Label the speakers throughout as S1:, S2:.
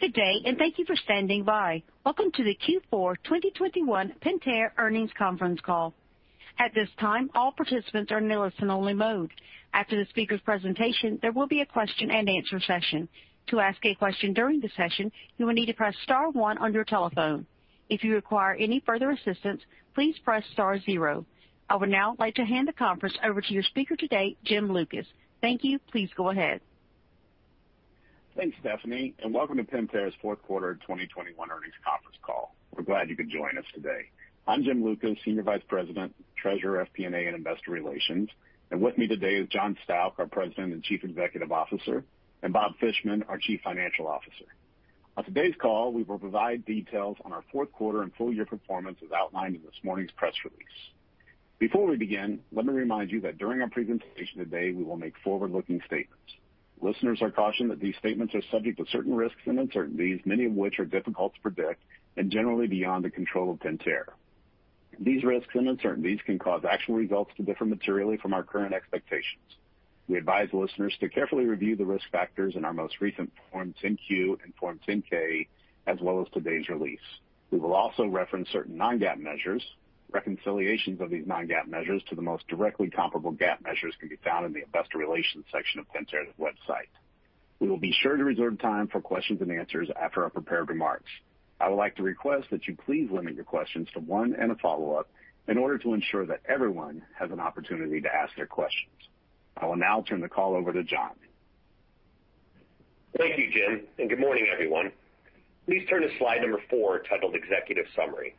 S1: Good day, and thank you for standing by. Welcome to the Q4 2021 Pentair Earnings Conference Call. At this time, all participants are in listen-only mode. After the speaker's presentation, there will be a question-and-answer session. To ask a question during the session, you will need to press star one on your telephone. If you require any further assistance, please press star zero. I would now like to hand the conference over to your speaker today, Jim Lucas. Thank you. Please go ahead.
S2: Thanks, Stephanie, and welcome to Pentair's fourth quarter 2021 earnings conference call. We're glad you could join us today. I'm Jim Lucas, Senior Vice President, Treasurer, FP&A, and Investor Relations. With me today is John Stauch, our President and Chief Executive Officer, and Bob Fishman, our Chief Financial Officer. On today's call, we will provide details on our fourth quarter and full year performance as outlined in this morning's press release. Before we begin, let me remind you that during our presentation today, we will make forward-looking statements. Listeners are cautioned that these statements are subject to certain risks and uncertainties, many of which are difficult to predict and generally beyond the control of Pentair. These risks and uncertainties can cause actual results to differ materially from our current expectations. We advise listeners to carefully review the risk factors in our most recent Forms 10-Q and Forms 10-K, as well as today's release. We will also reference certain non-GAAP measures. Reconciliations of these non-GAAP measures to the most directly comparable GAAP measures can be found in the investor relations section of Pentair's website. We will be sure to reserve time for questions and answers after our prepared remarks. I would like to request that you please limit your questions to one and a follow-up in order to ensure that everyone has an opportunity to ask their questions. I will now turn the call over to John.
S3: Thank you, Jim, and good morning, everyone. Please turn to Slide four titled Executive Summary.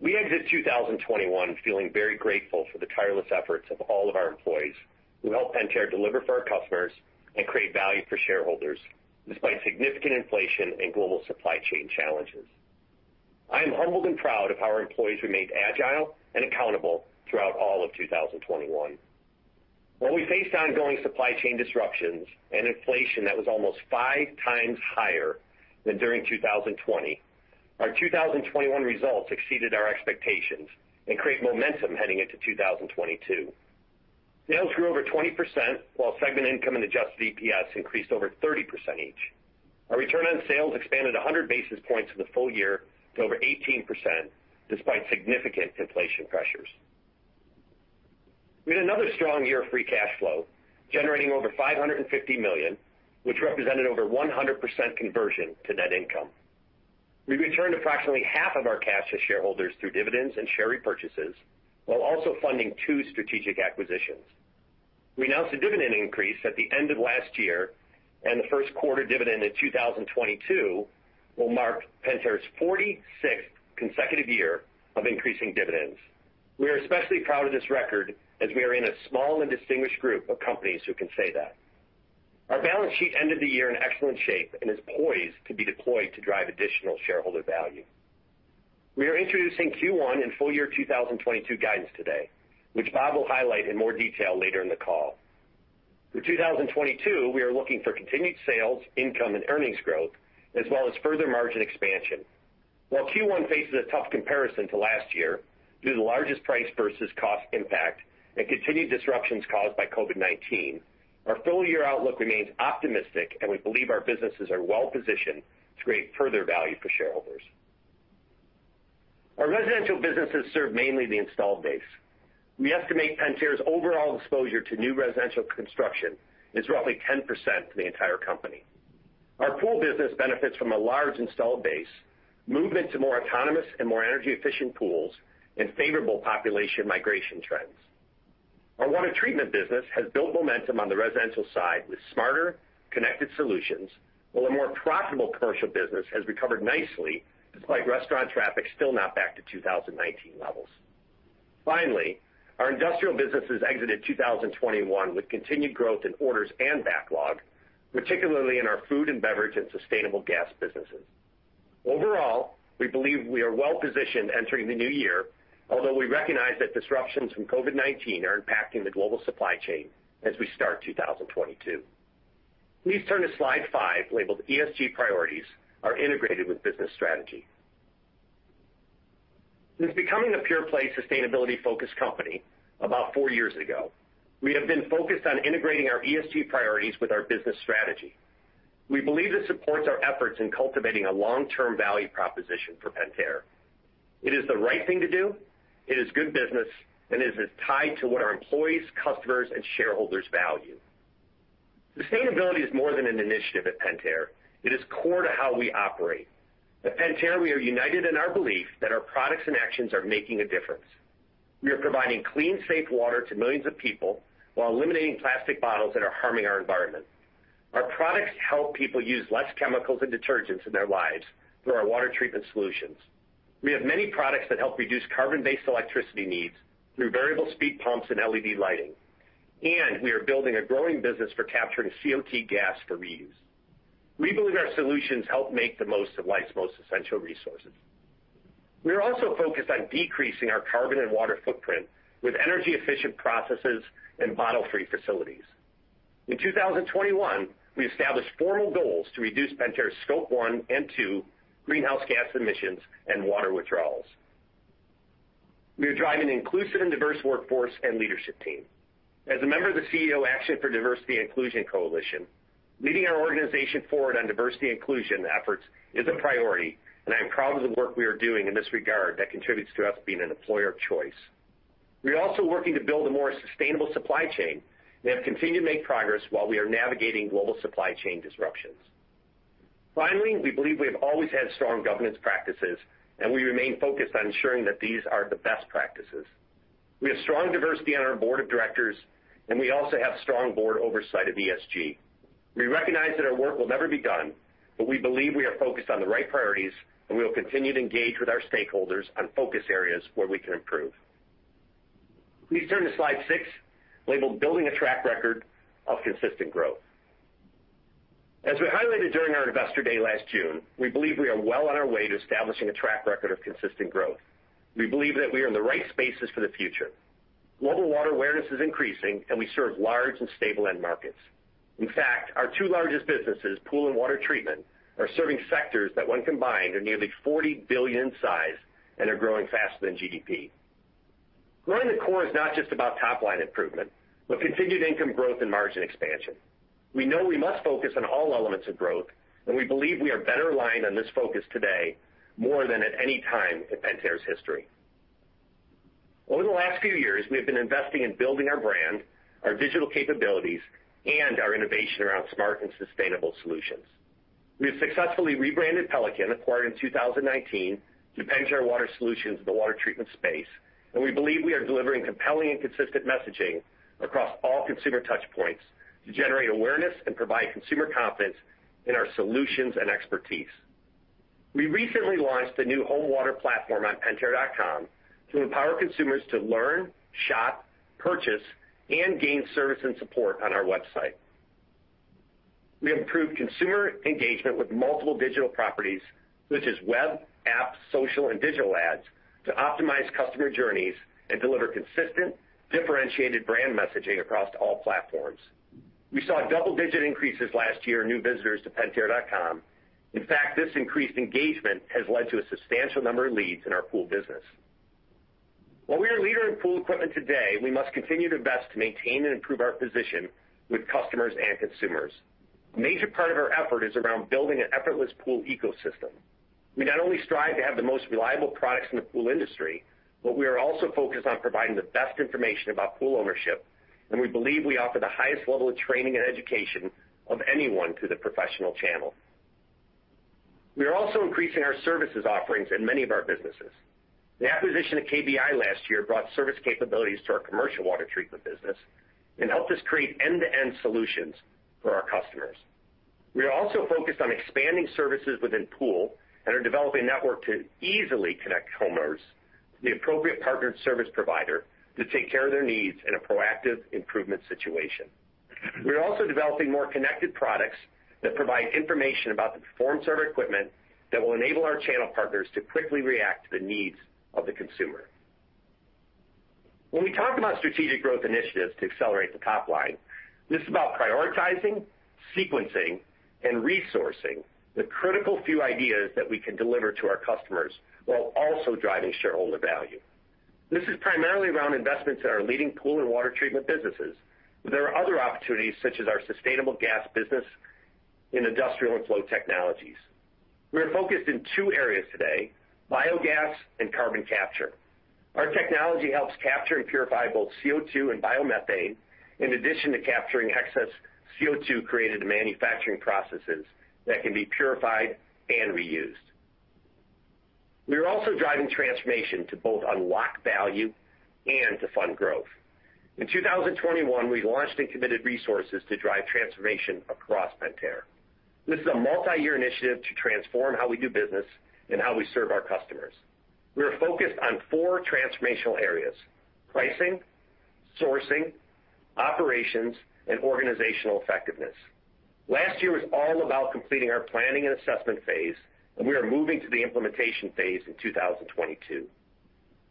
S3: We exit 2021 feeling very grateful for the tireless efforts of all of our employees who helped Pentair deliver for our customers and create value for shareholders despite significant inflation and global supply chain challenges. I am humbled and proud of how our employees remained agile and accountable throughout all of 2021. While we faced ongoing supply chain disruptions and inflation that was almost 5 times higher than during 2020, our 2021 results exceeded our expectations and create momentum heading into 2022. Sales grew over 20%, while segment income and adjusted EPS increased over 30% each. Our return on sales expanded 100 basis points for the full year to over 18% despite significant inflation pressures. We had another strong year of free cash flow, generating over $550 million, which represented over 100% conversion to net income. We returned approximately half of our cash to shareholders through dividends and share repurchases while also funding 2 strategic acquisitions. We announced a dividend increase at the end of last year, and the first quarter dividend in 2022 will mark Pentair's 46th consecutive year of increasing dividends. We are especially proud of this record as we are in a small and distinguished group of companies who can say that. Our balance sheet ended the year in excellent shape and is poised to be deployed to drive additional shareholder value. We are introducing Q1 and full year 2022 guidance today, which Bob will highlight in more detail later in the call. For 2022, we are looking for continued sales, income and earnings growth, as well as further margin expansion. While Q1 faces a tough comparison to last year due to the largest price versus cost impact and continued disruptions caused by COVID-19, our full-year outlook remains optimistic, and we believe our businesses are well-positioned to create further value for shareholders. Our residential businesses serve mainly the installed base. We estimate Pentair's overall exposure to new residential construction is roughly 10% for the entire company. Our pool business benefits from a large installed base, movement to more autonomous and more energy-efficient pools, and favorable population migration trends. Our water treatment business has built momentum on the residential side with smarter, connected solutions, while a more profitable commercial business has recovered nicely despite restaurant traffic still not back to 2019 levels. Finally, our industrial businesses exited 2021 with continued growth in orders and backlog, particularly in our food and beverage and sustainable gas businesses. Overall, we believe we are well-positioned entering the new year, although we recognize that disruptions from COVID-19 are impacting the global supply chain as we start 2022. Please turn to Slide five, labeled ESG Priorities are integrated with business strategy. Since becoming a pure-play, sustainability-focused company about 4 years ago, we have been focused on integrating our ESG priorities with our business strategy. We believe this supports our efforts in cultivating a long-term value proposition for Pentair. It is the right thing to do, it is good business, and it is tied to what our employees, customers, and shareholders value. Sustainability is more than an initiative at Pentair. It is core to how we operate. At Pentair, we are united in our belief that our products and actions are making a difference. We are providing clean, safe water to millions of people while eliminating plastic bottles that are harming our environment. Our products help people use less chemicals and detergents in their lives through our water treatment solutions. We have many products that help reduce carbon-based electricity needs through variable speed pumps and LED lighting, and we are building a growing business for capturing CO2 gas for reuse. We believe our solutions help make the most of life's most essential resources. We are also focused on decreasing our carbon and water footprint with energy-efficient processes and bottle-free facilities. In 2021, we established formal goals to reduce Pentair's Scope One and Two greenhouse gas emissions and water withdrawals. We are driving an inclusive and diverse workforce and leadership team. As a member of the CEO Action for Diversity & Inclusion, leading our organization forward on diversity and inclusion efforts is a priority, and I am proud of the work we are doing in this regard that contributes to us being an employer of choice. We are also working to build a more sustainable supply chain, and have continued to make progress while we are navigating global supply chain disruptions. Finally, we believe we have always had strong governance practices, and we remain focused on ensuring that these are the best practices. We have strong diversity on our board of directors, and we also have strong board oversight of ESG. We recognize that our work will never be done, but we believe we are focused on the right priorities, and we will continue to engage with our stakeholders on focus areas where we can improve. Please turn to Slide six, labeled Building a Track Record of Consistent Growth. As we highlighted during our Investor Day last June, we believe we are well on our way to establishing a track record of consistent growth. We believe that we are in the right spaces for the future. Global water awareness is increasing, and we serve large and stable end markets. In fact, our two largest businesses, pool and water treatment, are serving sectors that when combined are nearly $40 billion in size and are growing faster than GDP. Growing the core is not just about top-line improvement, but continued income growth and margin expansion. We know we must focus on all elements of growth, and we believe we are better aligned on this focus today more than at any time in Pentair's history. Over the last few years, we have been investing in building our brand, our digital capabilities, and our innovation around smart and sustainable solutions. We have successfully rebranded Pelican, acquired in 2019, to Pentair Water Solutions in the water treatment space, and we believe we are delivering compelling and consistent messaging across all consumer touch points to generate awareness and provide consumer confidence in our solutions and expertise. We recently launched a new home water platform on pentair.com to empower consumers to learn, shop, purchase, and gain service and support on our website. We have improved consumer engagement with multiple digital properties such as web, apps, social, and digital ads to optimize customer journeys and deliver consistent, differentiated brand messaging across all platforms. We saw double-digit increases last year in new visitors to pentair.com. In fact, this increased engagement has led to a substantial number of leads in our pool business. While we are a leader in pool equipment today, we must continue to invest to maintain and improve our position with customers and consumers. A major part of our effort is around building an effortless pool ecosystem. We not only strive to have the most reliable products in the pool industry, but we are also focused on providing the best information about pool ownership, and we believe we offer the highest level of training and education of anyone through the professional channel. We are also increasing our services offerings in many of our businesses. The acquisition of KBI last year brought service capabilities to our commercial water treatment business and helped us create end-to-end solutions for our customers. We are also focused on expanding services within pool and are developing network to easily connect homeowners to the appropriate partnered service provider to take care of their needs in a proactive improvement situation. We are also developing more connected products that provide information about the performance of our equipment that will enable our channel partners to quickly react to the needs of the consumer. When we talk about strategic growth initiatives to accelerate the top line, this is about prioritizing, sequencing, and resourcing the critical few ideas that we can deliver to our customers while also driving shareholder value. This is primarily around investments in our leading pool and water treatment businesses, but there are other opportunities such as our sustainable gas business in Industrial and Flow Technologies. We are focused in two areas today, biogas and carbon capture. Our technology helps capture and purify both CO2 and biomethane, in addition to capturing excess CO2 created in manufacturing processes that can be purified and reused. We are also driving transformation to both unlock value and to fund growth. In 2021, we launched and committed resources to drive transformation across Pentair. This is a multi-year initiative to transform how we do business and how we serve our customers. We are focused on four transformational areas, pricing, sourcing, operations, and organizational effectiveness. Last year was all about completing our planning and assessment phase, and we are moving to the implementation phase in 2022.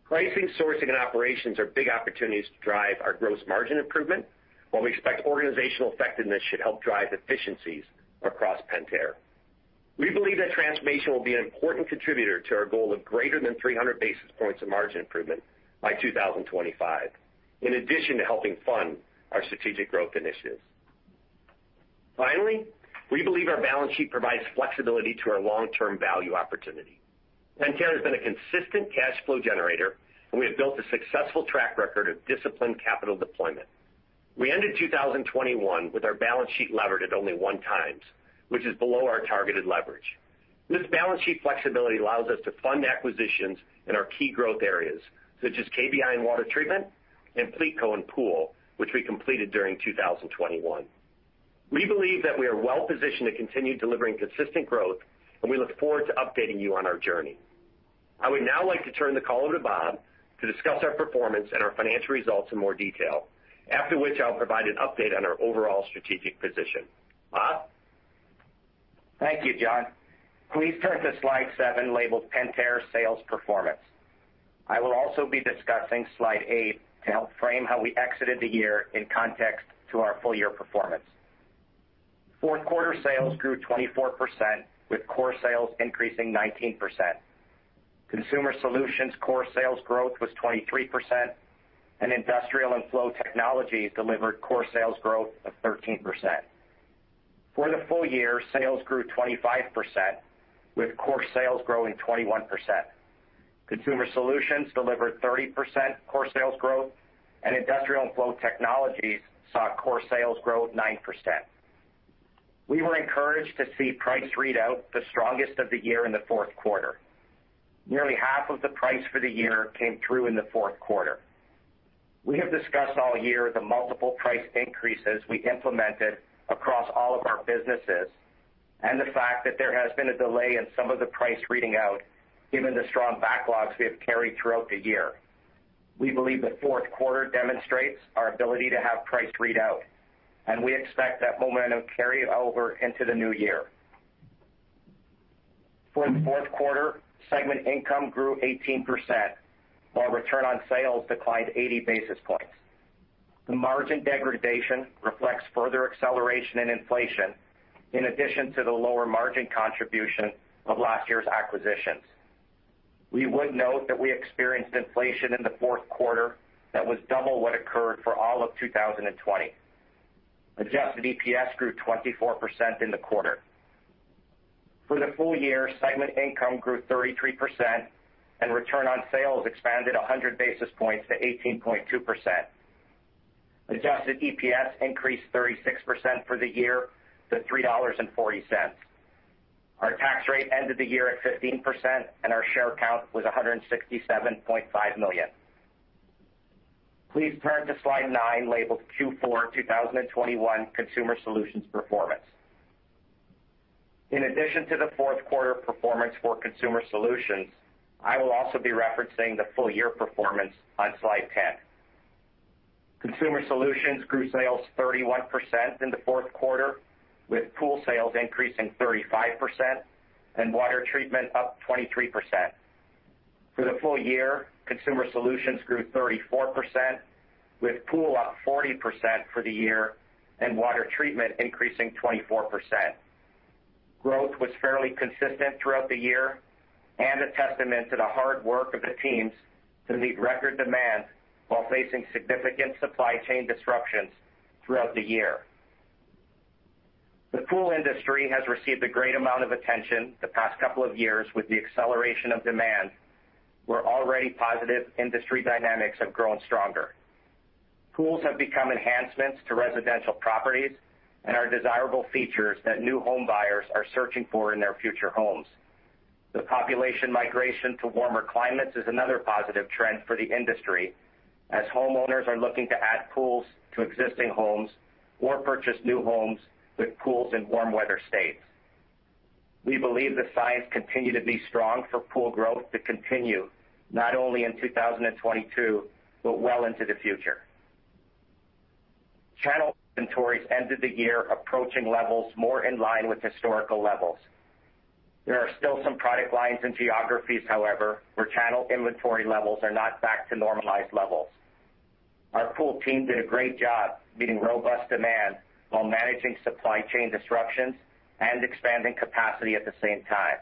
S3: Pricing, sourcing, and operations are big opportunities to drive our gross margin improvement, while we expect organizational effectiveness should help drive efficiencies across Pentair. We believe that transformation will be an important contributor to our goal of greater than 300 basis points of margin improvement by 2025, in addition to helping fund our strategic growth initiatives. Finally, we believe our balance sheet provides flexibility to our long-term value opportunity. Pentair has been a consistent cash flow generator, and we have built a successful track record of disciplined capital deployment. We ended 2021 with our balance sheet levered at only 1x, which is below our targeted leverage. This balance sheet flexibility allows us to fund acquisitions in our key growth areas such as KBI and water treatment and pleatco and pool, which we completed during 2021. We believe that we are well positioned to continue delivering consistent growth, and we look forward to updating you on our journey. I would now like to turn the call over to Bob to discuss our performance and our financial results in more detail. After which, I'll provide an update on our overall strategic position. Bob?
S4: Thank you, John. Please turn to Slide seven, labeled Pentair Sales Performance. I will also be discussing Slide eight to help frame how we exited the year in context to our full year performance. Fourth quarter sales grew 24% with core sales increasing 19%. Consumer Solutions core sales growth was 23% and Industrial and Flow Technologies delivered core sales growth of 13%. For the full year, sales grew 25% with core sales growing 21%. Consumer Solutions delivered 30% core sales growth, and Industrial and Flow Technologies saw core sales grow 9%. We were encouraged to see price read out the strongest of the year in the fourth quarter. Nearly half of the price for the year came through in the fourth quarter. We have discussed all year the multiple price increases we implemented across all of our businesses, and the fact that there has been a delay in some of the price reading out given the strong backlogs we have carried throughout the year. We believe the fourth quarter demonstrates our ability to have price read out, and we expect that momentum carry over into the new year. For the fourth quarter, segment income grew 18%, while return on sales declined 80 basis points. The margin degradation reflects further acceleration in inflation in addition to the lower margin contribution of last year's acquisitions. We would note that we experienced inflation in the fourth quarter that was double what occurred for all of 2020. Adjusted EPS grew 24% in the quarter. For the full year, segment income grew 33% and return on sales expanded 100 basis points to 18.2%. Adjusted EPS increased 36% for the year to $3.40. Our tax rate ended the year at 15%, and our share count was 167.5 million. Please turn to Slide nine, labeled Q4 2021 Consumer Solutions Performance. In addition to the fourth quarter performance for Consumer Solutions, I will also be referencing the full year performance on Slide 10. Consumer Solutions grew sales 31% in the fourth quarter, with pool sales increasing 35% and water treatment up 23%. For the full year, Consumer Solutions grew 34% with pool up 40% for the year and water treatment increasing 24%. Growth was fairly consistent throughout the year and a testament to the hard work of the teams to meet record demand while facing significant supply chain disruptions throughout the year. The pool industry has received a great amount of attention the past couple of years with the acceleration of demand, where already positive industry dynamics have grown stronger. Pools have become enhancements to residential properties and are desirable features that new home buyers are searching for in their future homes. The population migration to warmer climates is another positive trend for the industry, as homeowners are looking to add pools to existing homes or purchase new homes with pools in warm weather states. We believe the signs continue to be strong for pool growth to continue, not only in 2022, but well into the future. Channel inventories ended the year approaching levels more in line with historical levels. There are still some product lines and geographies, however, where channel inventory levels are not back to normalized levels. Our pool team did a great job meeting robust demand while managing supply chain disruptions and expanding capacity at the same time.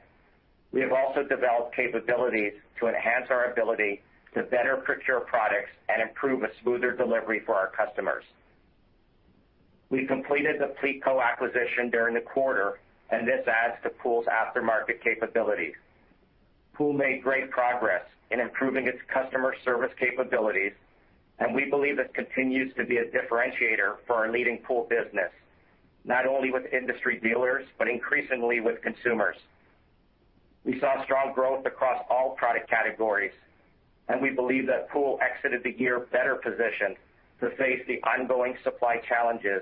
S4: We have also developed capabilities to enhance our ability to better procure products and improve a smoother delivery for our customers. We completed the Pleatco acquisition during the quarter, and this adds to pool's aftermarket capabilities. Pool made great progress in improving its customer service capabilities, and we believe this continues to be a differentiator for our leading pool business, not only with industry dealers, but increasingly with consumers. We saw strong growth across all product categories, and we believe that pool exited the year better positioned to face the ongoing supply challenges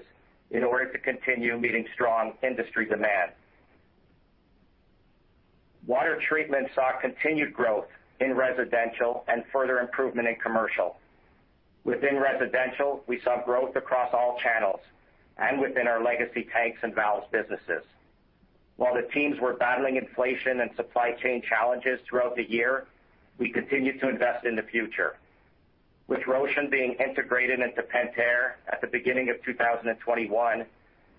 S4: in order to continue meeting strong industry demand. Water treatment saw continued growth in residential and further improvement in commercial. Within residential, we saw growth across all channels and within our legacy tanks and valves businesses. While the teams were battling inflation and supply chain challenges throughout the year, we continued to invest in the future. With Rocean being integrated into Pentair at the beginning of 2021,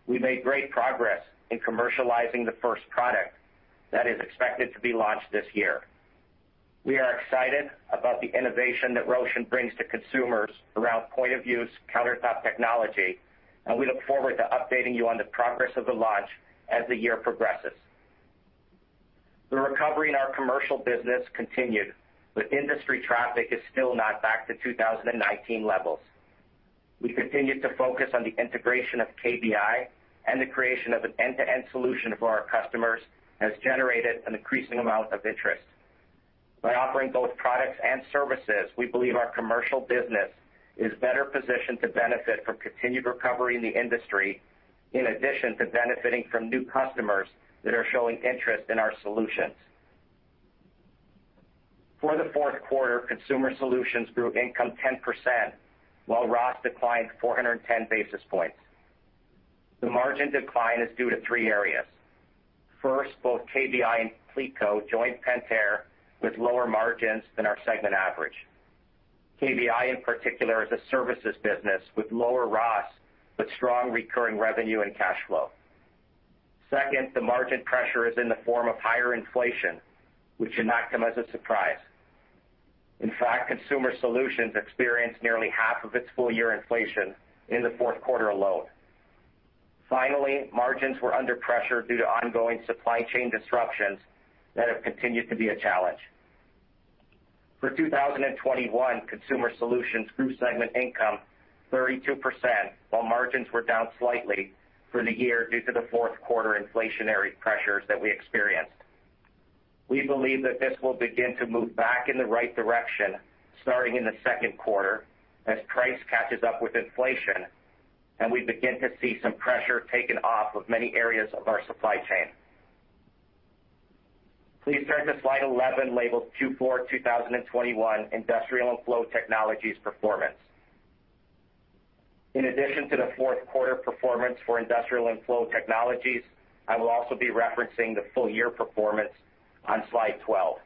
S4: we made great progress in commercializing the first product that is expected to be launched this year. We are excited about the innovation that Rocean brings to consumers around point-of-use countertop technology, and we look forward to updating you on the progress of the launch as the year progresses. The recovery in our commercial business continued, but industry traffic is still not back to 2019 levels. We continued to focus on the integration of KBI and the creation of an end-to-end solution for our customers has generated an increasing amount of interest. By offering both products and services, we believe our commercial business is better positioned to benefit from continued recovery in the industry, in addition to benefiting from new customers that are showing interest in our solutions. For the fourth quarter, Consumer Solutions grew income 10% while ROS declined 410 basis points. The margin decline is due to three areas. First, both KBI and Pleatco joined Pentair with lower margins than our segment average. KBI in particular is a services business with lower ROS, but strong recurring revenue and cash flow. Second, the margin pressure is in the form of higher inflation, which should not come as a surprise. In fact, Consumer Solutions experienced nearly half of its full-year inflation in the fourth quarter alone. Finally, margins were under pressure due to ongoing supply chain disruptions that have continued to be a challenge. For 2021, Consumer Solutions grew segment income 32%, while margins were down slightly for the year due to the fourth quarter inflationary pressures that we experienced. We believe that this will begin to move back in the right direction starting in the second quarter as price catches up with inflation and we begin to see some pressure taken off of many areas of our supply chain. Please turn to Slide 11, labeled Q4 2021 Industrial & Flow Technologies Performance. In addition to the fourth quarter performance for Industrial & Flow Technologies, I will also be referencing the full year performance on Slide 12.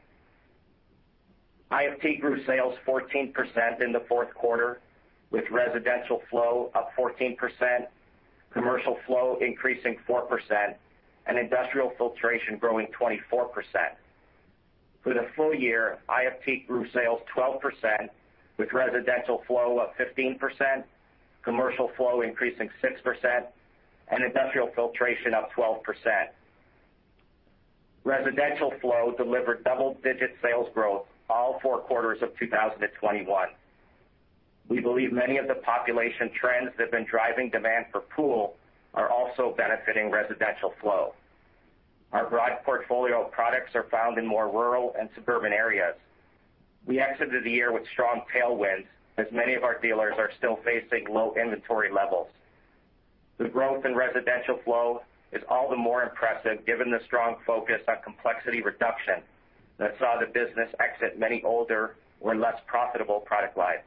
S4: IFT grew sales 14% in the fourth quarter, with residential flow up 14%, commercial flow increasing 4%, and industrial filtration growing 24%. For the full year, IFT grew sales 12%, with residential flow up 15%, commercial flow increasing 6%, and industrial filtration up 12%. Residential flow delivered double-digit sales growth all four quarters of 2021. We believe many of the population trends that have been driving demand for pool are also benefiting residential flow. Our broad portfolio of products are found in more rural and suburban areas. We exited the year with strong tailwinds, as many of our dealers are still facing low inventory levels. The growth in residential flow is all the more impressive given the strong focus on complexity reduction that saw the business exit many older or less profitable product lines.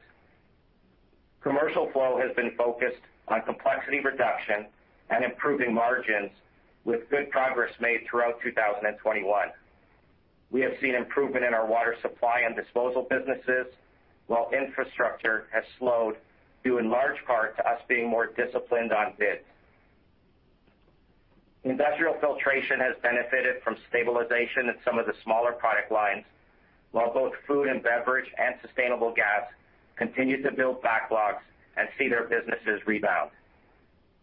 S4: Commercial flow has been focused on complexity reduction and improving margins with good progress made throughout 2021. We have seen improvement in our water supply and disposal businesses, while infrastructure has slowed due in large part to us being more disciplined on bids. Industrial filtration has benefited from stabilization in some of the smaller product lines, while both food and beverage and sustainable gas continue to build backlogs and see their businesses rebound.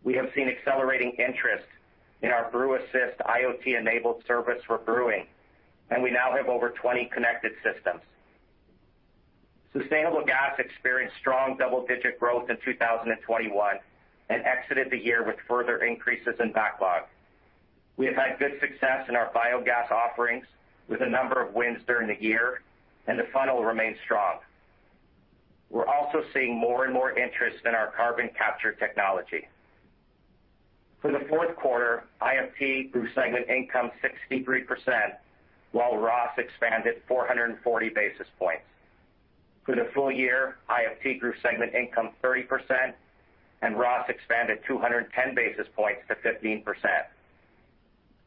S4: We have seen accelerating interest in our BrewAssist IoT-enabled service for brewing, and we now have over 20 connected systems. Sustainable gas experienced strong double-digit growth in 2021 and exited the year with further increases in backlog. We have had good success in our biogas offerings with a number of wins during the year, and the funnel remains strong. We're also seeing more and more interest in our carbon capture technology. For the fourth quarter, IFT grew segment income 63%, while ROS expanded 440 basis points. For the full year, IFT grew segment income 30%, and ROS expanded 210 basis points to 15%.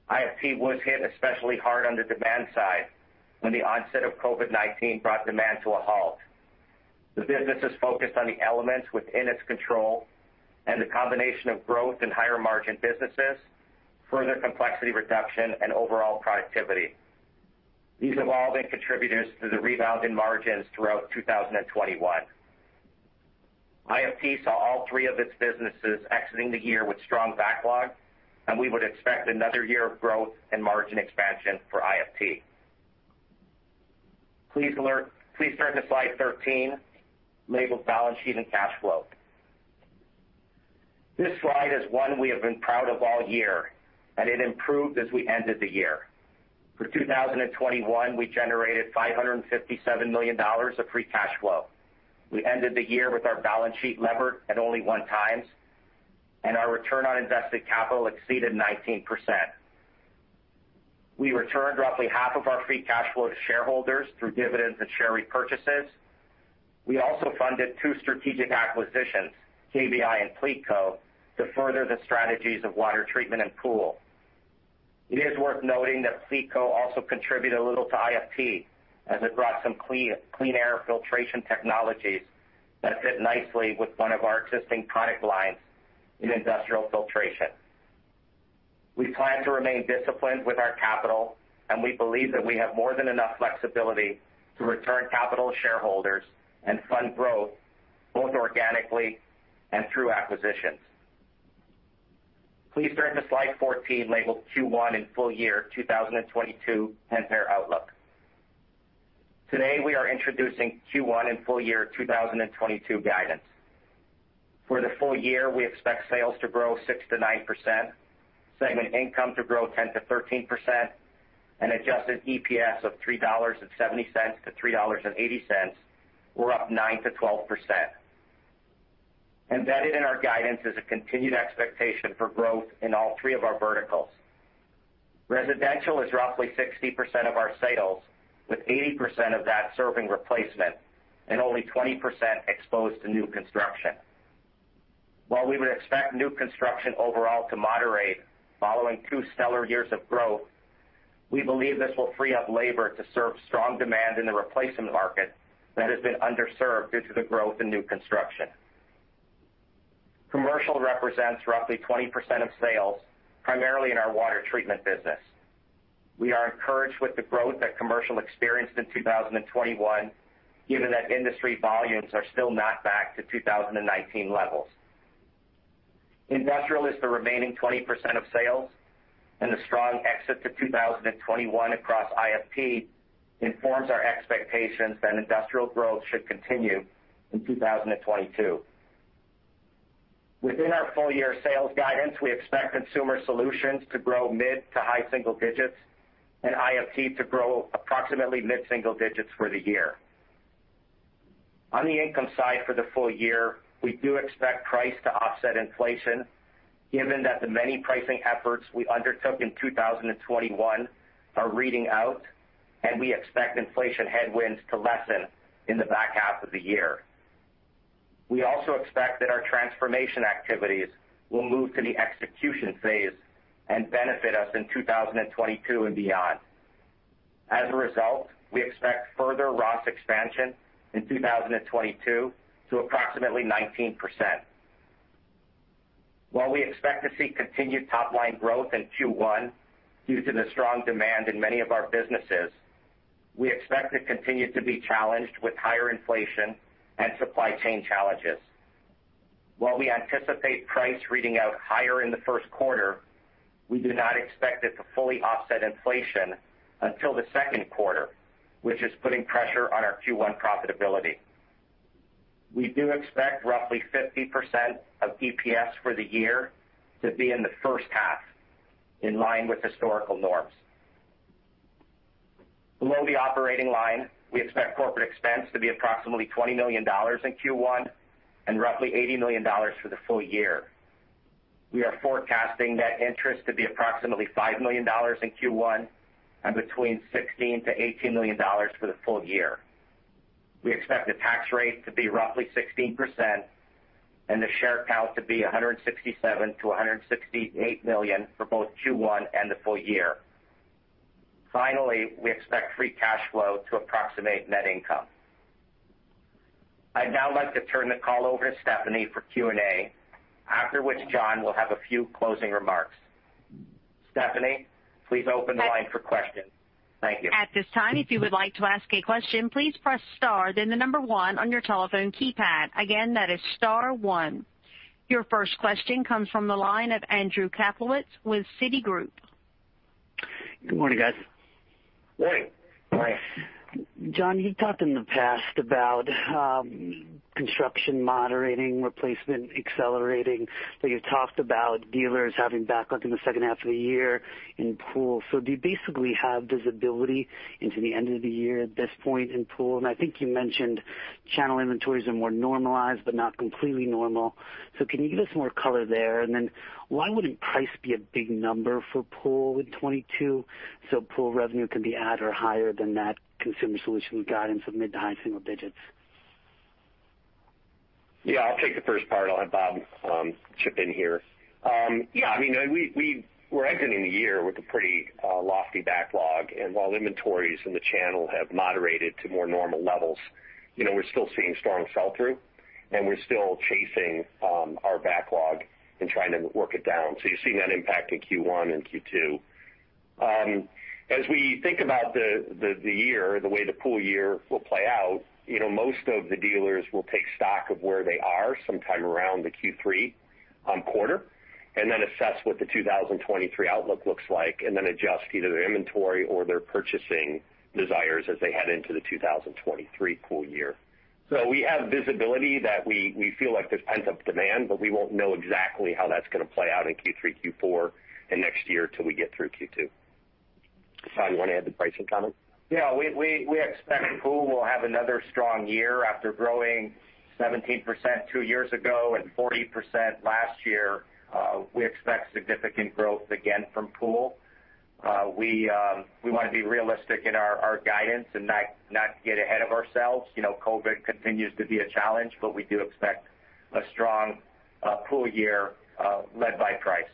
S4: IFT was hit especially hard on the demand side when the onset of COVID-19 brought demand to a halt. The business is focused on the elements within its control and the combination of growth in higher margin businesses, further complexity reduction, and overall productivity. These have all been contributors to the rebound in margins throughout 2021. IFT saw all three of its businesses exiting the year with strong backlog, and we would expect another year of growth and margin expansion for IFT. Please turn to Slide 13, labeled Balance Sheet and Cash Flow. This slide is one we have been proud of all year, and it improved as we ended the year. For 2021, we generated $557 million of free cash flow. We ended the year with our balance sheet levered at only 1x, and our return on invested capital exceeded 19%. We returned roughly half of our free cash flow to shareholders through dividends and share repurchases. We also funded 2 strategic acquisitions, KBI and Pleatco, to further the strategies of water treatment and pool. It is worth noting that Pleatco also contributed a little to IFT as it brought some clean air filtration technologies that fit nicely with one of our existing product lines in industrial filtration. We plan to remain disciplined with our capital, and we believe that we have more than enough flexibility to return capital to shareholders and fund growth both organically and through acquisitions. Please turn to Slide 14, labeled Q1 and Full Year 2022 Pentair Outlook. Today, we are introducing Q1 and Full Year 2022 guidance. For the full year, we expect sales to grow 6%-9%, segment income to grow 10%-13%, and adjusted EPS of $3.70-$3.80, or up 9%-12%. Embedded in our guidance is a continued expectation for growth in all three of our verticals. Residential is roughly 60% of our sales, with 80% of that serving replacement and only 20% exposed to new construction. While we would expect new construction overall to moderate following two stellar years of growth, we believe this will free up labor to serve strong demand in the replacement market that has been underserved due to the growth in new construction. Commercial represents roughly 20% of sales, primarily in our water treatment business. We are encouraged with the growth that commercial experienced in 2021, given that industry volumes are still not back to 2019 levels. Industrial is the remaining 20% of sales, and the strong exit to 2021 across IFT informs our expectations that industrial growth should continue in 2022. Within our full-year sales guidance, we expect Consumer Solutions to grow mid- to high-single digits and IFT to grow approximately mid-single digits for the year. On the income side for the full year, we do expect price to offset inflation given that the many pricing efforts we undertook in 2021 are reading out, and we expect inflation headwinds to lessen in the back half of the year. We also expect that our transformation activities will move to the execution phase and benefit us in 2022 and beyond. As a result, we expect further ROS expansion in 2022 to approximately 19%. While we expect to see continued top line growth in Q1 due to the strong demand in many of our businesses, we expect to continue to be challenged with higher inflation and supply chain challenges. While we anticipate price reading out higher in the first quarter, we do not expect it to fully offset inflation until the second quarter, which is putting pressure on our Q1 profitability. We do expect roughly 50% of EPS for the year to be in the first half, in line with historical norms. Below the operating line, we expect corporate expense to be approximately $20 million in Q1 and roughly $80 million for the full year. We are forecasting net interest to be approximately $5 million in Q1 and between $16 million-$18 million for the full year. We expect the tax rate to be roughly 16% and the share count to be 167 million-168 million for both Q1 and the full year. Finally, we expect free cash flow to approximate net income. I'd now like to turn the call over to Stephanie for Q&A, after which John will have a few closing remarks. Stephanie, please open the line for questions. Thank you.
S1: At this time, if you would like to ask a question, please press star then the number one on your telephone keypad. Again, that is star one. Your first question comes from the line of Andrew Kaplowitz with Citigroup.
S5: Good morning, guys.
S4: Morning. Morning.
S5: John, you talked in the past about construction moderating, replacement accelerating. You've talked about dealers having backlog in the second half of the year in pool. Do you basically have visibility into the end of the year at this point in pool? I think you mentioned channel inventories are more normalized but not completely normal. Can you give us more color there? Then why wouldn't price be a big number for pool in 2022 so pool revenue can be at or higher than that Consumer Solutions guidance of mid- to high-single-digits?
S3: Yeah, I'll take the first part. I'll have Bob chip in here. Yeah, I mean, we're exiting the year with a pretty lofty backlog. While inventories in the channel have moderated to more normal levels, you know, we're still seeing strong sell-through, and we're still chasing our backlog and trying to work it down. You're seeing that impact in Q1 and Q2. As we think about the year, the way the pool year will play out, you know, most of the dealers will take stock of where they are sometime around the Q3 quarter and then assess what the 2023 outlook looks like and then adjust either their inventory or their purchasing desires as they head into the 2023 pool year. We have visibility that we feel like there's pent-up demand, but we won't know exactly how that's gonna play out in Q3, Q4, and next year till we get through Q2. Bob, you wanna add the pricing comment?
S4: Yeah. We expect pool will have another strong year after growing 17% two years ago and 40% last year. We expect significant growth again from pool. We wanna be realistic in our guidance and not get ahead of ourselves. You know, COVID continues to be a challenge, but we do expect a strong pool year led by price.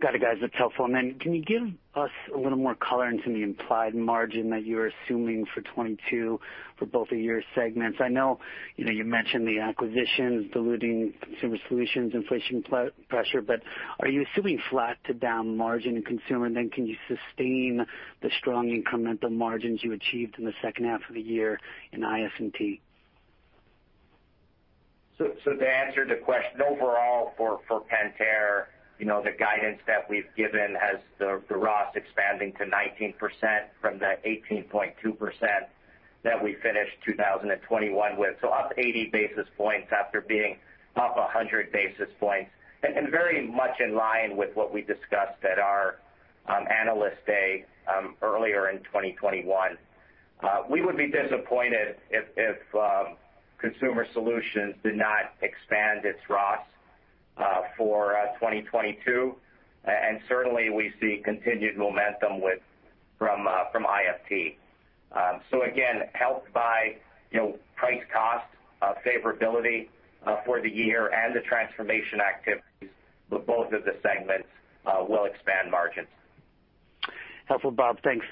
S5: Got it, guys. That's helpful. Can you give us a little more color into the implied margin that you're assuming for 2022 for both of your segments? I know, you know, you mentioned the acquisitions diluting Consumer Solutions inflation pressure. Are you assuming flat to down margin in Consumer? Can you sustain the strong incremental margins you achieved in the second half of the year in IFT?
S4: To answer the question, overall for Pentair, you know, the guidance that we've given has the ROS expanding to 19% from the 18.2% that we finished 2021 with. Up 80 basis points after being up 100 basis points. Very much in line with what we discussed at our analyst day earlier in 2021. We would be disappointed if Consumer Solutions did not expand its ROS for 2022. Certainly we see continued momentum from IFT. Again, helped by, you know, price-cost favorability for the year and the transformation activities, both of the segments will expand margins.
S5: Helpful, Bob. Thanks.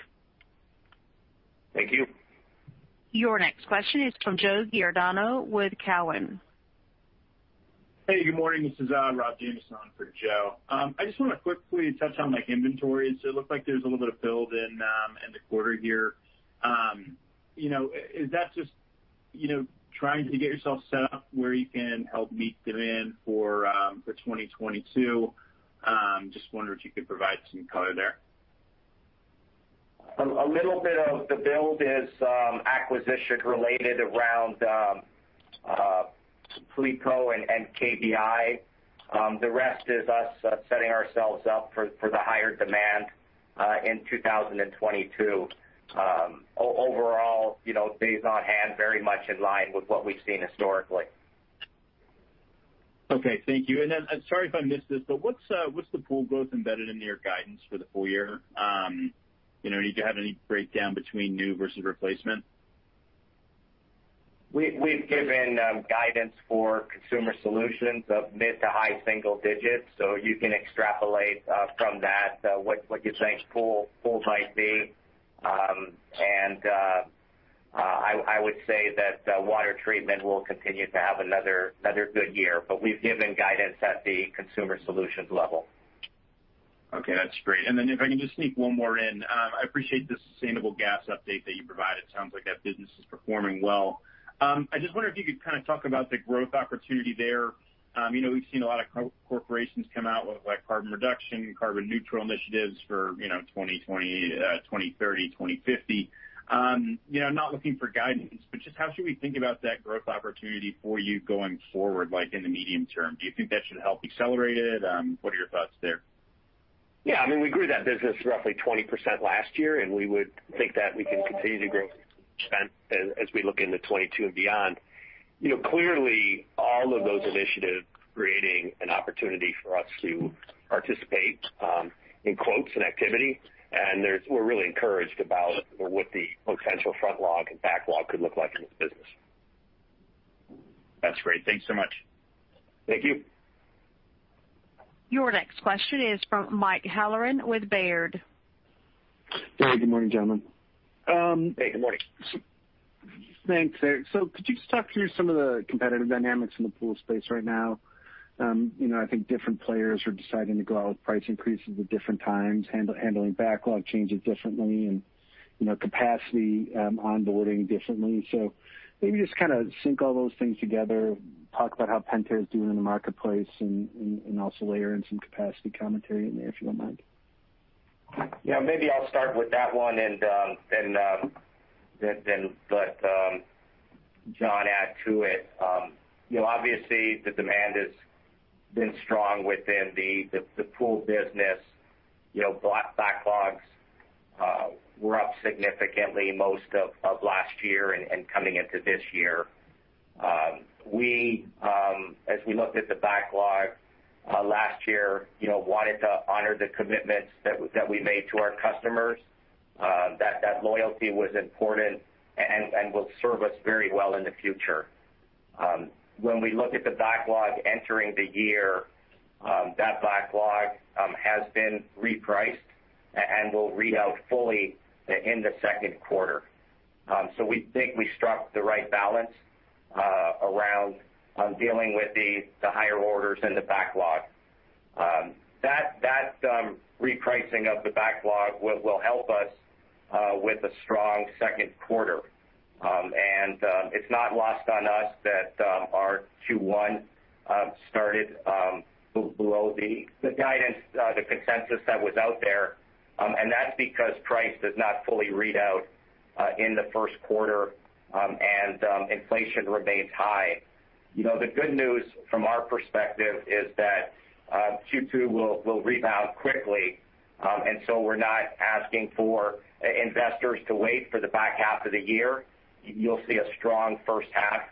S4: Thank you.
S1: Your next question is from Joe Giordano with Cowen.
S6: Hey, good morning. This is Rob Jamieson for Joe. I just want to quickly touch on, like, inventory. It looks like there's a little bit of build in the quarter here. You know, is that just, you know, trying to get yourself set up where you can help meet demand for 2022? Just wondering if you could provide some color there.
S4: A little bit of the build is acquisition related around Pleatco and KBI. The rest is us setting ourselves up for the higher demand in 2022. Overall, you know, days on hand very much in line with what we've seen historically.
S6: Okay. Thank you. Sorry if I missed this, but what's the pool growth embedded into your guidance for the full year? You know, do you have any breakdown between new versus replacement?
S4: We've given guidance for Consumer Solutions of mid- to high-single digits. You can extrapolate from that what you think pool might be. I would say that water treatment will continue to have another good year. We've given guidance at the Consumer Solutions level.
S6: Okay, that's great. If I can just sneak one more in. I appreciate the sustainability update that you provided. Sounds like that business is performing well. I just wonder if you could kind of talk about the growth opportunity there. You know, we've seen a lot of corporations come out with like carbon reduction, carbon neutral initiatives for, you know, 2020, 2030, 2050. You know, not looking for guidance, but just how should we think about that growth opportunity for you going forward, like in the medium term? Do you think that should help accelerate it? What are your thoughts there?
S3: Yeah, I mean, we grew that business roughly 20% last year, and we would think that we can continue to grow as we look into 2022 and beyond. You know, clearly all of those initiatives creating an opportunity for us to participate in quote activity, and we're really encouraged about what the potential funnel and backlog could look like in this business.
S6: That's great. Thanks so much.
S3: Thank you.
S1: Your next question is from Mike Halloran with Baird.
S7: Good morning, gentlemen.
S4: Hey, good morning.
S7: Thanks, Eric. Could you just talk through some of the competitive dynamics in the pool space right now? You know, I think different players are deciding to go out with price increases at different times, handling backlog changes differently and, you know, capacity onboarding differently. Maybe just kind of sync all those things together, talk about how Pentair is doing in the marketplace and also layer in some capacity commentary in there, if you don't mind.
S4: Yeah, maybe I'll start with that one and then let John add to it. You know, obviously the demand has been strong within the pool business. You know, backlogs were up significantly most of last year and coming into this year. We, as we looked at the backlog last year, you know, wanted to honor the commitments that we made to our customers, that loyalty was important and will serve us very well in the future. When we look at the backlog entering the year, that backlog has been repriced and will read out fully in the second quarter. We think we struck the right balance around dealing with the higher orders in the backlog. That repricing of the backlog will help us with a strong second quarter. It's not lost on us that our Q1 started below the guidance, the consensus that was out there. That's because price does not fully read out in the first quarter, and inflation remains high. You know, the good news from our perspective is that Q2 will rebound quickly, and so we're not asking for investors to wait for the back half of the year. You'll see a strong first half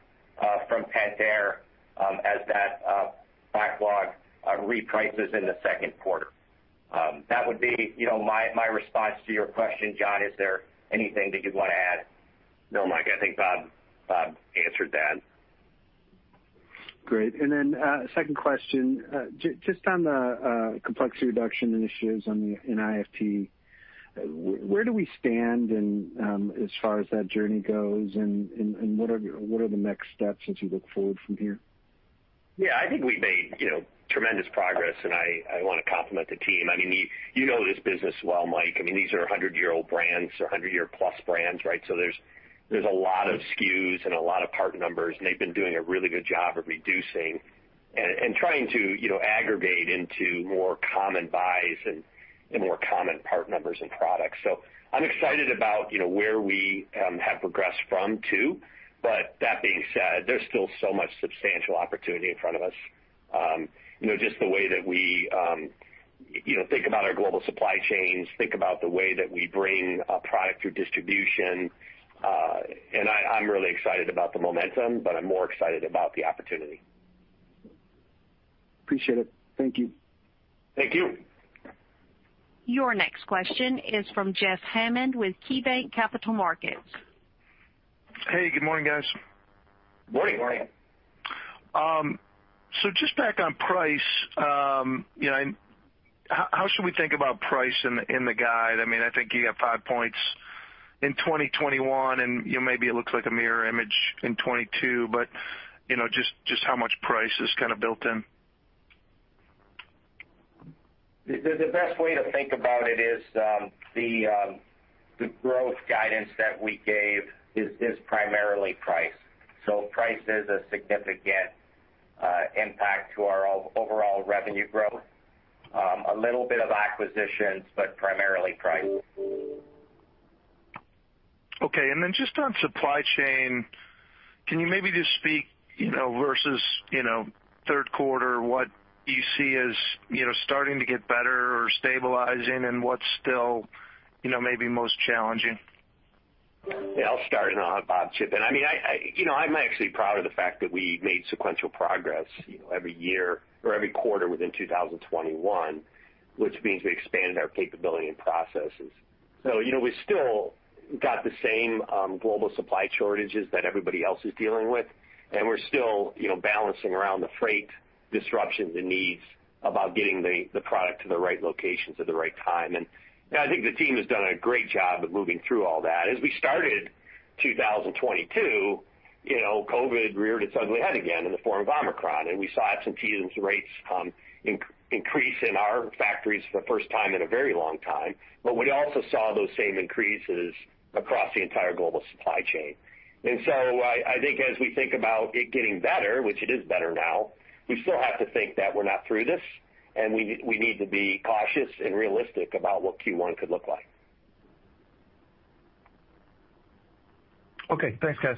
S4: from Pentair as that backlog reprices in the second quarter. That would be, you know, my response to your question. John, is there anything that you'd wanna add?
S3: No, Mike, I think Bob answered that.
S7: Great. Second question. Just on the complexity reduction initiatives in IFT, where do we stand as far as that journey goes? And what are the next steps as you look forward from here?
S3: Yeah, I think we've made, you know, tremendous progress, and I wanna compliment the team. I mean, you know this business well, Mike. I mean, these are hundred-year-old brands or hundred-year-plus brands, right? There's a lot of SKUs and a lot of part numbers, and they've been doing a really good job of reducing and trying to, you know, aggregate into more common buys and more common part numbers and products. I'm excited about, you know, where we have progressed from too. That being said, there's still so much substantial opportunity in front of us. You know, just the way that we think about our global supply chains, think about the way that we bring a product through distribution. I'm really excited about the momentum, but I'm more excited about the opportunity.
S7: Appreciate it. Thank you.
S3: Thank you.
S1: Your next question is from Jeff Hammond with KeyBanc Capital Markets.
S8: Hey, good morning, guys.
S3: Morning.
S4: Morning.
S8: Just back on price. You know, how should we think about price in the guide? I mean, I think you got 5 points in 2021 and, you know, maybe it looks like a mirror image in 2022, but, you know, just how much price is kind of built in?
S3: The best way to think about it is the growth guidance that we gave is primarily price. Price is a significant impact to our overall revenue growth. A little bit of acquisitions, but primarily price.
S8: Okay. Just on supply chain, can you maybe just speak, you know, versus, you know, third quarter, what you see as, you know, starting to get better or stabilizing and what's still, you know, maybe most challenging?
S3: Yeah, I'll start, and I'll have Bob chip in. You know, I'm actually proud of the fact that we made sequential progress, you know, every year or every quarter within 2021, which means we expanded our capability and processes. You know, we still got the same global supply shortages that everybody else is dealing with, and we're still, you know, balancing around the freight disruptions and needs about getting the product to the right locations at the right time. I think the team has done a great job of moving through all that. As we started 2022, you know, COVID reared its ugly head again in the form of Omicron, and we saw absenteeism rates increase in our factories for the first time in a very long time. We also saw those same increases across the entire global supply chain. I think as we think about it getting better, which it is better now, we still have to think that we're not through this, and we need to be cautious and realistic about what Q1 could look like.
S8: Okay. Thanks, guys.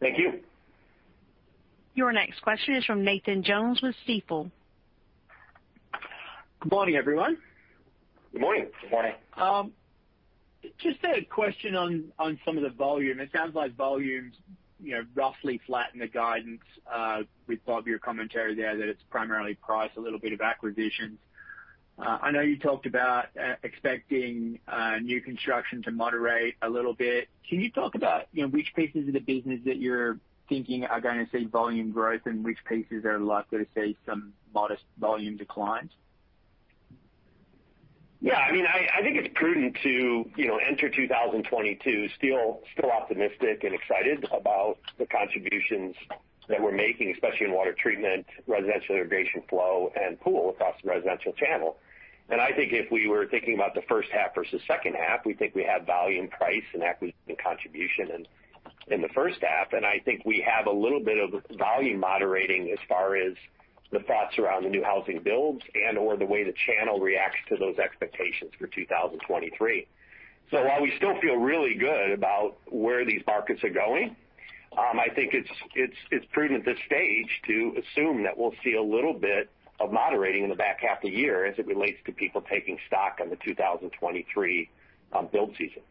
S3: Thank you.
S1: Your next question is from Nathan Jones with Stifel.
S9: Good morning, everyone.
S3: Good morning.
S4: Good morning.
S9: Just a question on some of the volume. It sounds like volume's, you know, roughly flat in the guidance, with Bob, your commentary there that it's primarily price, a little bit of acquisitions. I know you talked about expecting new construction to moderate a little bit. Can you talk about, you know, which pieces of the business that you're thinking are gonna see volume growth and which pieces are likely to see some modest volume declines?
S3: Yeah. I mean, I think it's prudent to, you know, enter 2022 still optimistic and excited about the contributions that we're making, especially in water treatment, residential irrigation flow, and pool across the residential channel. I think if we were thinking about the first half versus second half, we think we have volume, price, and acquisition contribution in the first half. I think we have a little bit of volume moderating as far as the thoughts around the new housing builds and/or the way the channel reacts to those expectations for 2023. While we still feel really good about where these markets are going, I think it's prudent at this stage to assume that we'll see a little bit of moderating in the back half of the year as it relates to people taking stock on the 2023 build season.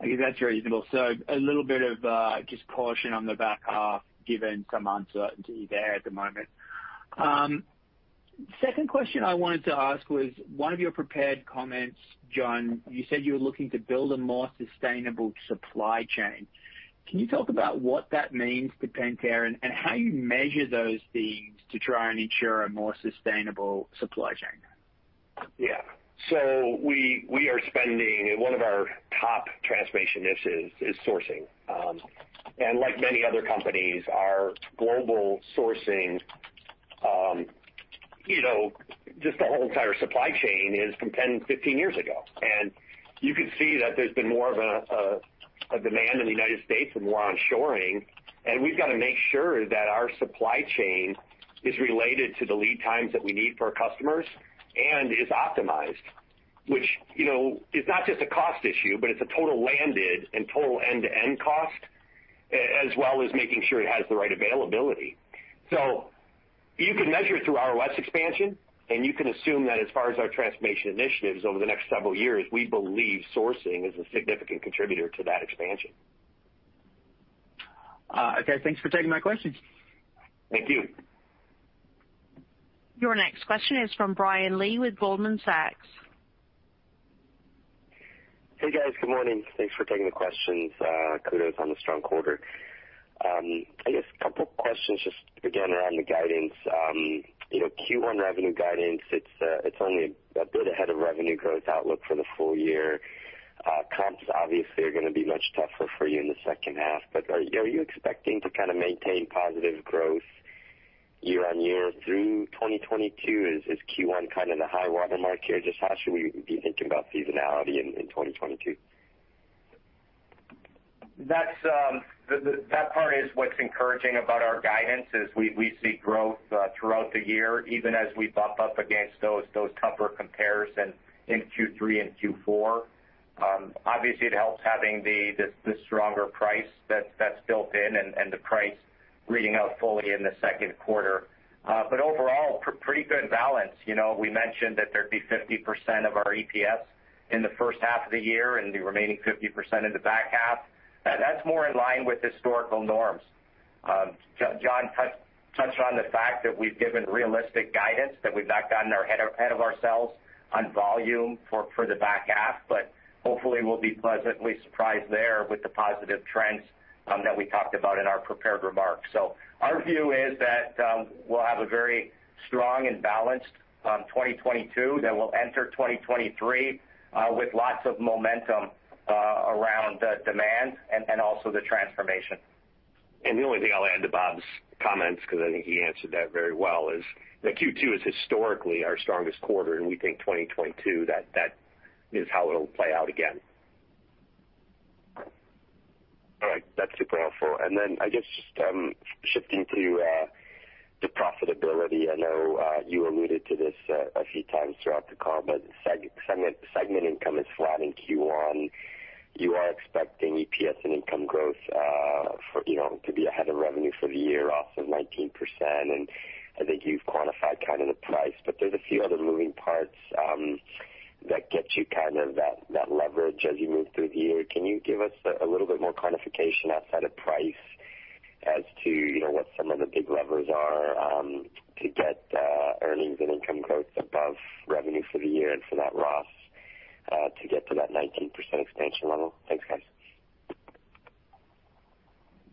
S9: I guess that's reasonable. A little bit of just caution on the back half, given some uncertainty there at the moment. Second question I wanted to ask was, one of your prepared comments, John, you said you were looking to build a more sustainable supply chain. Can you talk about what that means to Pentair and how you measure those themes to try and ensure a more sustainable supply chain?
S3: One of our top transformation initiatives is sourcing. Like many other companies, our global sourcing, you know, just the whole entire supply chain is from 10, 15 years ago. You could see that there's been more of a demand in the U.S. and more onshoring, and we've got to make sure that our supply chain is related to the lead times that we need for our customers and is optimized. Which, you know, is not just a cost issue, but it's a total landed and total end-to-end cost, as well as making sure it has the right availability. You can measure it through ROS expansion, and you can assume that as far as our transformation initiatives over the next several years, we believe sourcing is a significant contributor to that expansion.
S9: Okay. Thanks for taking my questions.
S3: Thank you.
S1: Your next question is from Brian Lee with Goldman Sachs.
S10: Hey, guys. Good morning. Thanks for taking the questions. Kudos on the strong quarter. I guess a couple questions just again around the guidance. You know, Q1 revenue guidance, it's only a bit ahead of revenue growth outlook for the full year. Comps obviously are gonna be much tougher for you in the second half. You know, are you expecting to kind of maintain positive growth year-over-year through 2022? Is Q1 kind of the high water mark here? Just how should we be thinking about seasonality in 2022?
S4: That's that part is what's encouraging about our guidance is we see growth throughout the year, even as we bump up against those tougher comparisons in Q3 and Q4. Obviously, it helps having the stronger price that's built in and the price reading out fully in the second quarter. Overall, pretty good balance. You know, we mentioned that there'd be 50% of our EPS in the first half of the year and the remaining 50% in the back half. That's more in line with historical norms. John touched on the fact that we've given realistic guidance, that we've not gotten our head ahead of ourselves on volume for the back half. Hopefully, we'll be pleasantly surprised there with the positive trends that we talked about in our prepared remarks. Our view is that we'll have a very strong and balanced 2022, then we'll enter 2023 with lots of momentum around the demand and also the transformation.
S3: The only thing I'll add to Bob's comments, because I think he answered that very well, is that Q2 is historically our strongest quarter, and we think 2022 that is how it'll play out again.
S10: All right. That's super helpful. I guess just shifting to the profitability. I know you alluded to this a few times throughout the call, but segment income is flat in Q1. You are expecting EPS and income growth, you know, to be ahead of revenue for the year off of 19%. I think you've quantified kind of the price. There's a few other moving parts that get you kind of that leverage as you move through the year. Can you give us a little bit more quantification outside of price as to, you know, what some of the big levers are to get earnings and income growth above revenue for the year and for that ROS to get to that 19% expansion level? Thanks, guys.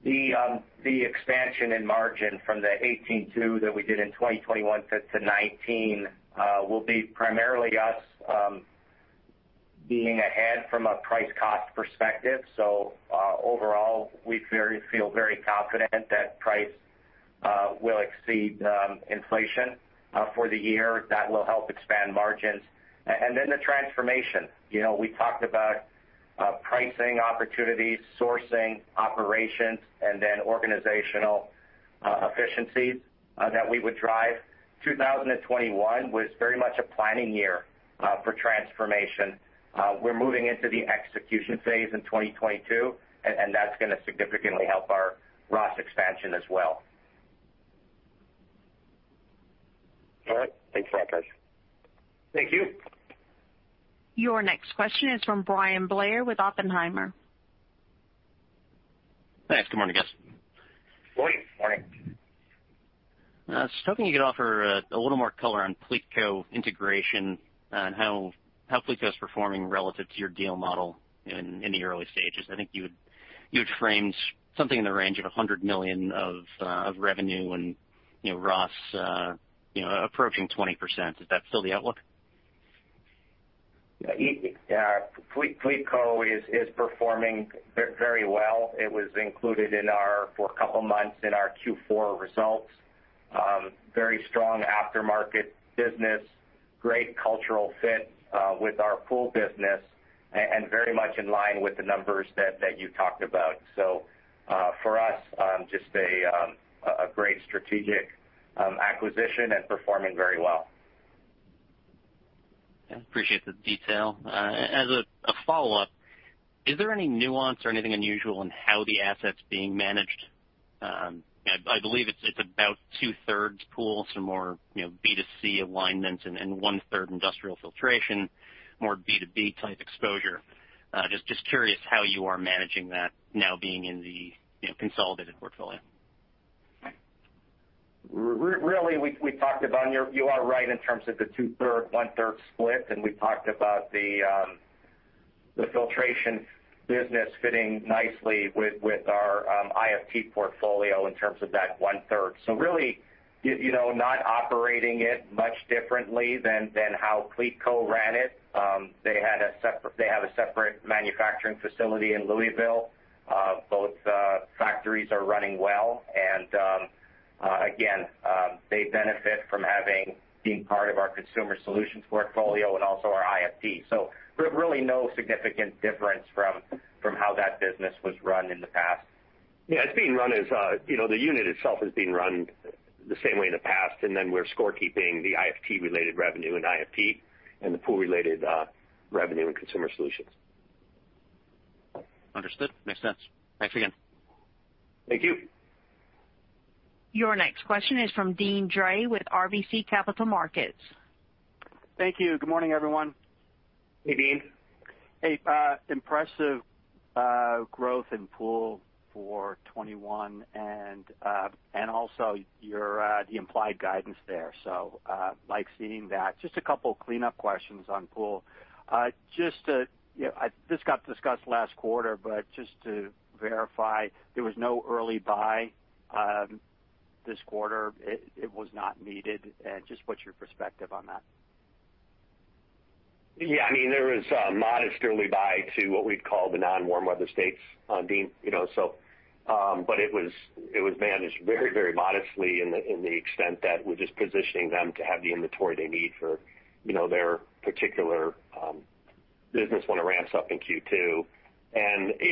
S4: The expansion in margin from the 18.2% that we did in 2021 to 19% will be primarily us being ahead from a price cost perspective. So overall, we feel very confident that price will exceed inflation for the year. That will help expand margins. Then the transformation. You know, we talked about pricing opportunities, sourcing operations, and then organizational efficiencies that we would drive. 2021 was very much a planning year for transformation. We're moving into the execution phase in 2022, and that's gonna significantly help our ROS expansion as well.
S10: All right. Thanks for that, guys.
S4: Thank you.
S1: Your next question is from Bryan Blair with Oppenheimer.
S11: Thanks. Good morning, guys.
S4: Morning.
S3: Morning.
S11: Just hoping you could offer a little more color on Pleatco integration and how Pleatco is performing relative to your deal model in the early stages. I think you had framed something in the range of $100 million of revenue and, you know, ROS, you know, approaching 20%. Is that still the outlook?
S4: Yeah. Pleatco is performing very well. It was included for a couple months in our Q4 results. Very strong aftermarket business, great cultural fit with our pool business, and very much in line with the numbers that you talked about. For us, just a great strategic acquisition and performing very well.
S11: Yeah. Appreciate the detail. As a follow-up, is there any nuance or anything unusual in how the asset's being managed? I believe it's about two-thirds pool, so more, you know, B2C alignments, and one-third industrial filtration, more B2B type exposure. Just curious how you are managing that now being in the, you know, consolidated portfolio.
S4: Really, we talked about. You are right in terms of the two-thirds, one-third split, and we talked about the filtration business fitting nicely with our IFT portfolio in terms of that one-third. Really, not operating it much differently than how Pleatco ran it. They have a separate manufacturing facility in Louisville. Both factories are running well. Again, they benefit from having been part of our Consumer Solutions portfolio and also our IFT. Really no significant difference from how that business was run in the past.
S3: Yeah, it's being run as, you know, the unit itself is being run the same way in the past, and then we're scorekeeping the IFT-related revenue in IFT and the pool-related revenue in Consumer Solutions.
S11: Understood. Makes sense. Thanks again.
S3: Thank you.
S1: Your next question is from Deane Dray with RBC Capital Markets.
S12: Thank you. Good morning, everyone.
S3: Hey, Deane.
S12: Hey. Impressive growth in pool for 2021 and also the implied guidance there. Like seeing that. Just a couple cleanup questions on pool. This got discussed last quarter, but just to verify, there was no early buy this quarter. It was not needed. Just what's your perspective on that?
S3: I mean, there was a modest early buy to what we'd call the non-warm weather states, Deane, you know, so. It was managed very, very modestly in the extent that we're just positioning them to have the inventory they need for, you know, their particular business when it ramps up in Q2. You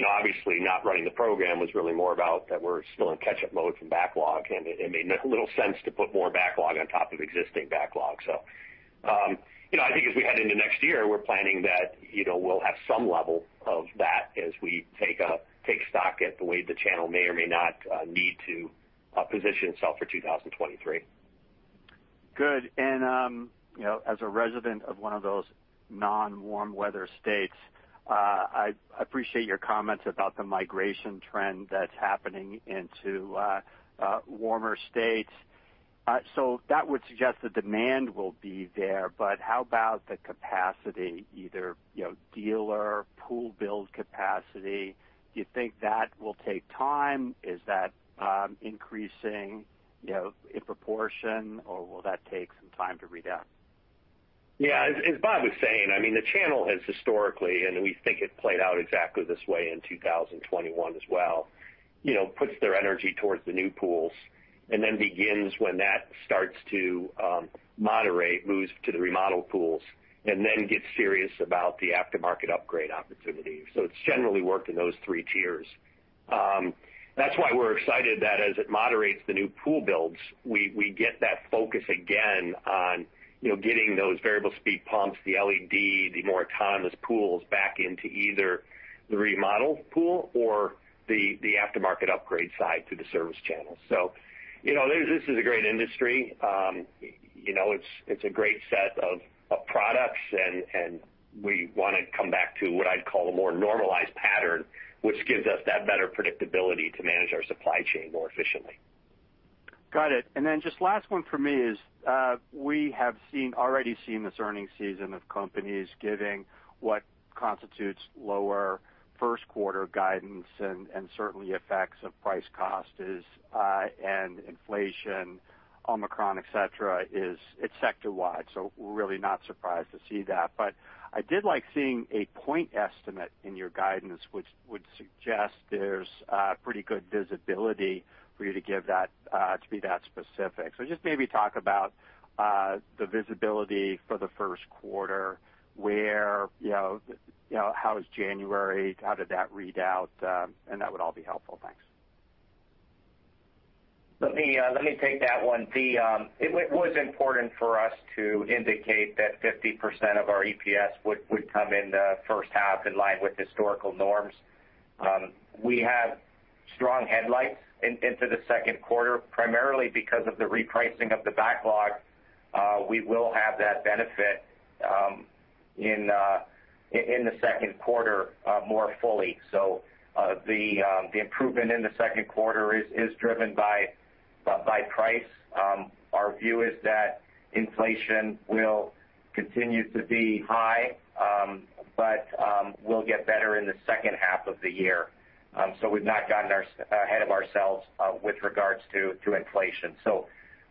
S3: know, obviously not running the program was really more about that we're still in catch-up mode from backlog, and it made little sense to put more backlog on top of existing backlog. You know, I think as we head into next year, we're planning that, you know, we'll have some level of that as we take stock of the way the channel may or may not need to position itself for 2023.
S12: Good. You know, as a resident of one of those non-warm weather states, I appreciate your comments about the migration trend that's happening into warmer states. That would suggest the demand will be there, but how about the capacity, either, you know, dealer pool build capacity? Do you think that will take time? Is that increasing, you know, in proportion, or will that take some time to read out?
S3: Yeah. As Bob was saying, I mean, the channel has historically, and we think it played out exactly this way in 2021 as well, you know, puts their energy towards the new pools, and then begins when that starts to moderate, moves to the remodel pools, and then gets serious about the aftermarket upgrade opportunity. It's generally worked in those three tiers. That's why we're excited that as it moderates the new pool builds, we get that focus again on, you know, getting those variable speed pumps, the LED, the more autonomous pools back into either the remodel pool or the aftermarket upgrade side through the service channel. You know, this is a great industry. You know, it's a great set of products, and we wanna come back to what I'd call a more normalized pattern, which gives us that better predictability to manage our supply chain more efficiently.
S12: Got it. Just last one for me is, we have already seen this earnings season of companies giving what constitutes lower first quarter guidance and certainly effects of price cost is, and inflation, Omicron, et cetera, is it's sector-wide, so we're really not surprised to see that. I did like seeing a point estimate in your guidance, which would suggest there's pretty good visibility for you to give that, to be that specific. Just maybe talk about the visibility for the first quarter, where you know how is January? How did that read out? And that would all be helpful. Thanks.
S3: Let me take that one. It was important for us to indicate that 50% of our EPS would come in the first half in line with historical norms. We have strong headlights into the second quarter, primarily because of the repricing of the backlog. We will have that benefit in the second quarter more fully. The improvement in the second quarter is driven by price. Our view is that inflation will continue to be high, but will get better in the second half of the year. We've not gotten ahead of ourselves with regards to inflation.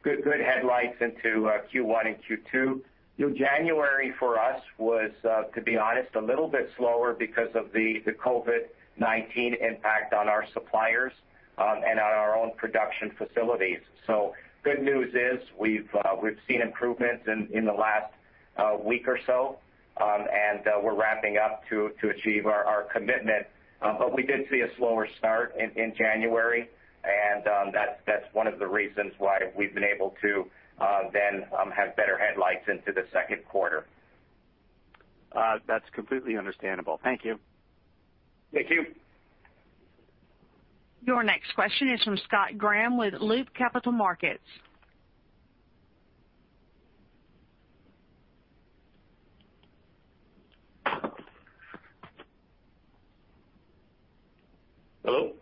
S3: Good headlights into Q1 and Q2. You know, January for us was, to be honest, a little bit slower because of the COVID-19 impact on our suppliers, and on our own production facilities. Good news is we've seen improvements in the last week or so, and we're ramping up to achieve our commitment. We did see a slower start in January, and that's one of the reasons why we've been able to then have better headlights into the second quarter.
S12: That's completely understandable. Thank you.
S3: Thank you.
S1: Your next question is from Scott Graham with Loop Capital Markets.
S3: Hello?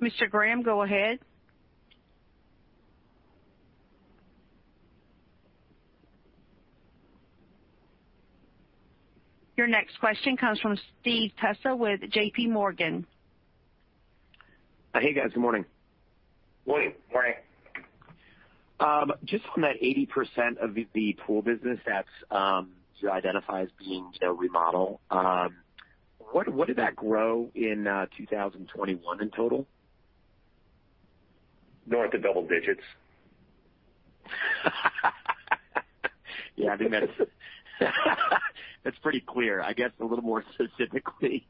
S1: Mr. Graham, go ahead. Your next question comes from Steve Tusa with JPMorgan.
S13: Hey, guys. Good morning.
S3: Morning. Morning.
S13: Just on that 80% of the pool business that's, you know, remodel, what did that grow in 2021 in total?
S3: North of double digits.
S13: Yeah, I mean, that's pretty clear. I guess a little more specifically,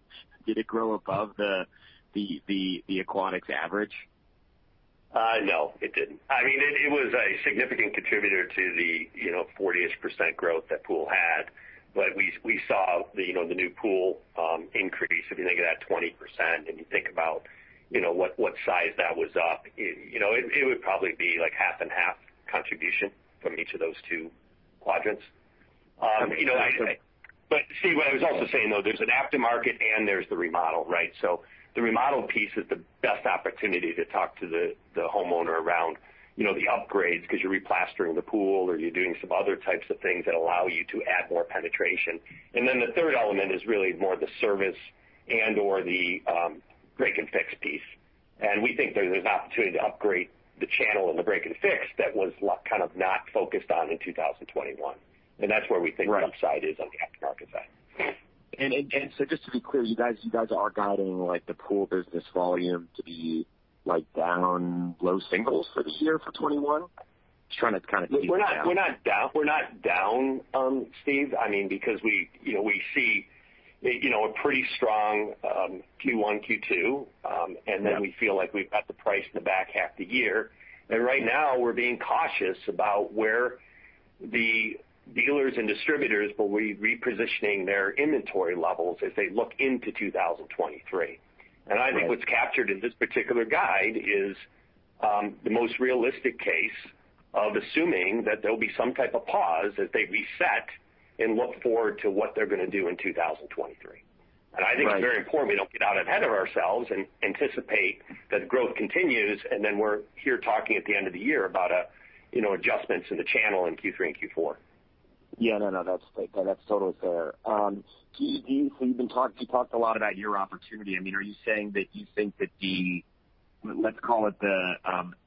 S13: did it grow above the aquatics average?
S3: No, it didn't. I mean, it was a significant contributor to the, you know, 40-ish% growth that pool had. We saw the, you know, the new pool increase. If you think of that 20% and you think about, you know, what size that was up, it would probably be like half and half contribution from each of those two quadrants.
S13: Okay.
S3: Steve, what I was also saying, though, there's an aftermarket and there's the remodel, right? The remodel piece is the best opportunity to talk to the homeowner around, you know, the upgrades 'cause you're replastering the pool, or you're doing some other types of things that allow you to add more penetration. Then the third element is really more the service and/or the break and fix piece. We think there's an opportunity to upgrade the channel and the break and fix that was kind of not focused on in 2021. That's where we think-
S13: Right.
S3: The upside is on the aftermarket side.
S13: Just to be clear, you guys are guiding, like, the pool business volume to be, like, down low singles for this year for 2021? Trying to kind of get you down.
S3: We're not down, Steve. I mean, because we, you know, we see, you know, a pretty strong Q1, Q2.
S13: Yeah.
S3: we feel like we've got the price in the back half of the year. Right now we're being cautious about where the dealers and distributors will be repositioning their inventory levels as they look into 2023.
S13: Right.
S3: I think what's captured in this particular guide is the most realistic case of assuming that there'll be some type of pause as they reset and look forward to what they're gonna do in 2023.
S13: Right.
S3: I think it's very important we don't get out ahead of ourselves and anticipate that growth continues, and then we're here talking at the end of the year about, you know, adjustments in the channel in Q3 and Q4.
S13: Yeah, no, that's totally fair. You talked a lot about your opportunity. I mean, are you saying that you think that the, let's call it the,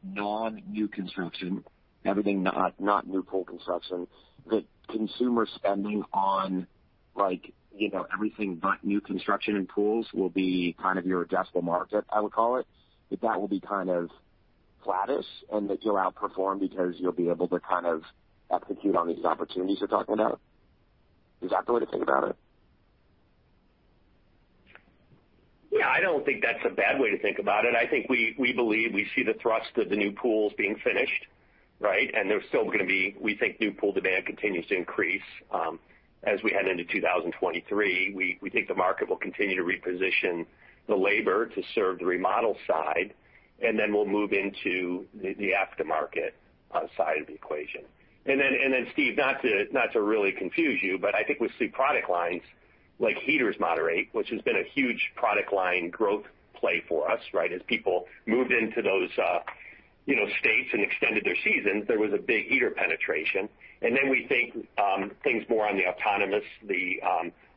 S13: non-new construction, everything not new pool construction, that consumer spending on like, you know, everything but new construction and pools will be kind of your adjustable market, I would call it? That will be kind of flattish and that you'll outperform because you'll be able to kind of execute on these opportunities you're talking about? Is that the way to think about it?
S3: Yeah, I don't think that's a bad way to think about it. I think we believe we see the thrust of the new pools being finished, right? There's still gonna be. We think new pool demand continues to increase as we head into 2023. We think the market will continue to reposition the labor to serve the remodel side, and then we'll move into the aftermarket side of the equation. Then, Steve, not to really confuse you, but I think we see product lines like heaters moderate, which has been a huge product line growth play for us, right? As people moved into those, you know, states and extended their seasons, there was a big heater penetration. We think things more on the autonomous, the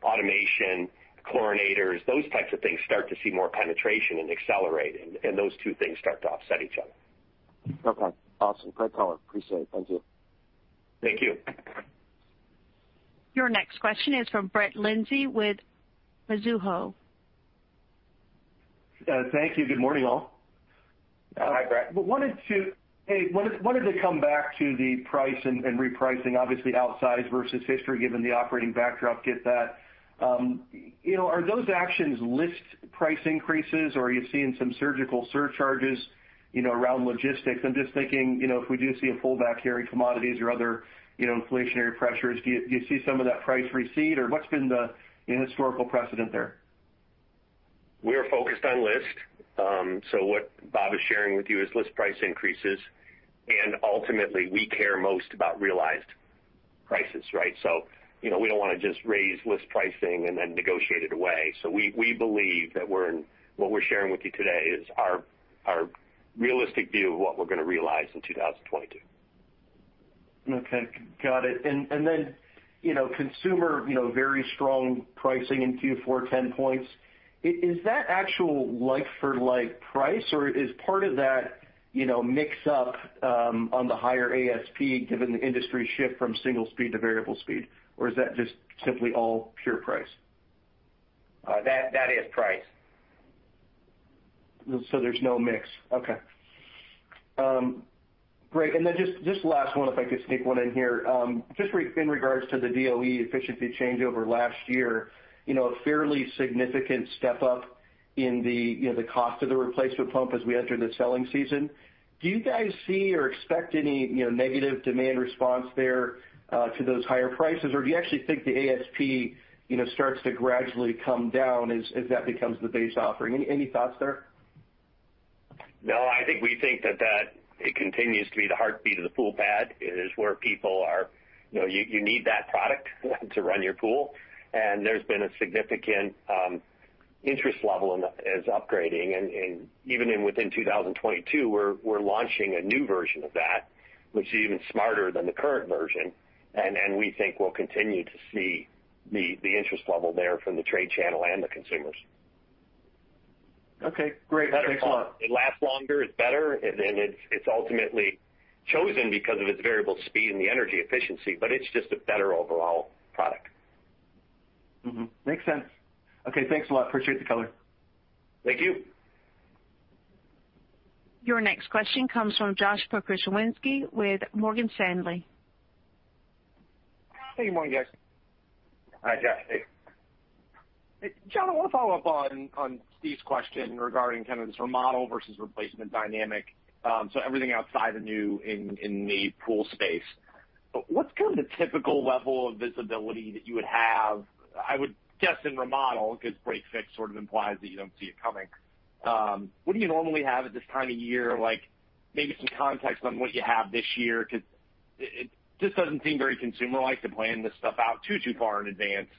S3: automation, chlorinators, those types of things start to see more penetration and accelerate, and those two things start to offset each other.
S13: Okay. Awesome. Great color. Appreciate it. Thank you.
S3: Thank you.
S1: Your next question is from Brett Linzey with Mizuho.
S14: Thank you. Good morning, all.
S3: Hi, Brett.
S14: Wanted to come back to the price and repricing, obviously outsized versus history, given the operating backdrop, get that. You know, are those actions list price increases or are you seeing some surgical surcharges, you know, around logistics? I'm just thinking, you know, if we do see a pullback here in commodities or other, you know, inflationary pressures, do you see some of that price recede, or what's been the historical precedent there?
S3: We are focused on list. What Bob is sharing with you is list price increases, and ultimately, we care most about realized prices, right? You know, we don't wanna just raise list pricing and then negotiate it away. We believe that what we're sharing with you today is our realistic view of what we're gonna realize in 2022.
S14: Okay. Got it. Then, you know, consumer, you know, very strong pricing in Q4, 10 points. Is that actual like for like price? Or is part of that, you know, mix up on the higher ASP given the industry shift from single speed to variable speed? Or is that just simply all pure price?
S3: That is price.
S14: There's no mix. Okay. Great. Just last one, if I could sneak one in here. Just in regards to the DOE efficiency changeover last year, you know, a fairly significant step-up in the, you know, the cost of the replacement pump as we enter the selling season. Do you guys see or expect any, you know, negative demand response there to those higher prices? Or do you actually think the ASP, you know, starts to gradually come down as that becomes the base offering? Any thoughts there?
S3: No, I think we think that it continues to be the heartbeat of the pool pad. It is where people are. You know, you need that product to run your pool. There's been a significant interest level in upgrading. Even in 2022, we're launching a new version of that which is even smarter than the current version, and we think we'll continue to see the interest level there from the trade channel and the consumers.
S14: Okay, great. Thanks a lot.
S3: It lasts longer, it's better, and it's ultimately chosen because of its variable speed and the energy efficiency, but it's just a better overall product.
S14: Makes sense. Okay, thanks a lot. Appreciate the color.
S3: Thank you.
S1: Your next question comes from Josh Pokrzywinski with Morgan Stanley.
S15: Hey, good morning, guys.
S3: Hi, Josh. Hey.
S15: Hey, John, I wanna follow up on Steve's question regarding kind of this remodel versus replacement dynamic, so everything outside of new in the pool space. What's kind of the typical level of visibility that you would have, I would guess in remodel, because break-fix sort of implies that you don't see it coming. What do you normally have at this time of year? Like maybe some context on what you have this year, 'cause it just doesn't seem very consumer-like to plan this stuff out too far in advance.